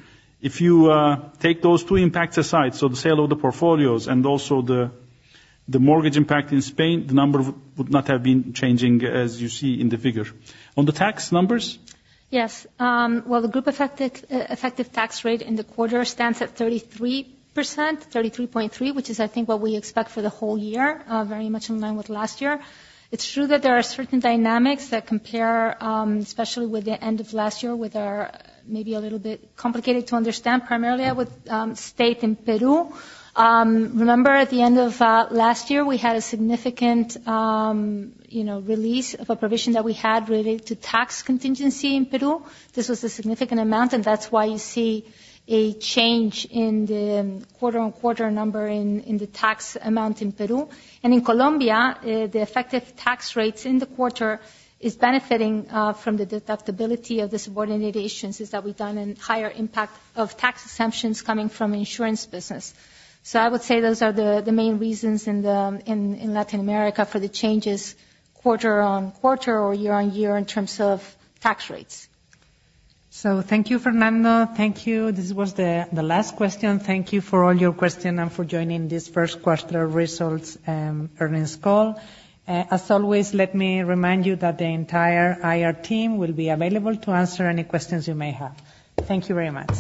If you take those two impacts aside, so the sale of the portfolios and also the mortgage impact in Spain, the number would not have been changing, as you see, in the figure. On the tax numbers? Yes. Well, the group effective tax rate in the quarter stands at 33%, 33.3, which is, I think, what we expect for the whole year, very much in line with last year. It's true that there are certain dynamics that compare, especially with the end of last year, with our maybe a little bit complicated to understand, primarily with state in Peru. Remember, at the end of last year, we had a significant release of a provision that we had related to tax contingency in Peru. This was a significant amount. And that's why you see a change in the quarter-on-quarter number in the tax amount in Peru. And in Colombia, the effective tax rates in the quarter is benefiting from the deductibility of the subordinate agencies that we've done and higher impact of tax exemptions coming from insurance business. So, I would say those are the main reasons in Latin America for the changes quarter-over-quarter or year-over-year in terms of tax rates. Thank you, Fernando. Thank you. This was the last question. Thank you for all your question and for joining this first quarter results earnings call. As always, let me remind you that the entire IR team will be available to answer any questions you may have. Thank you very much.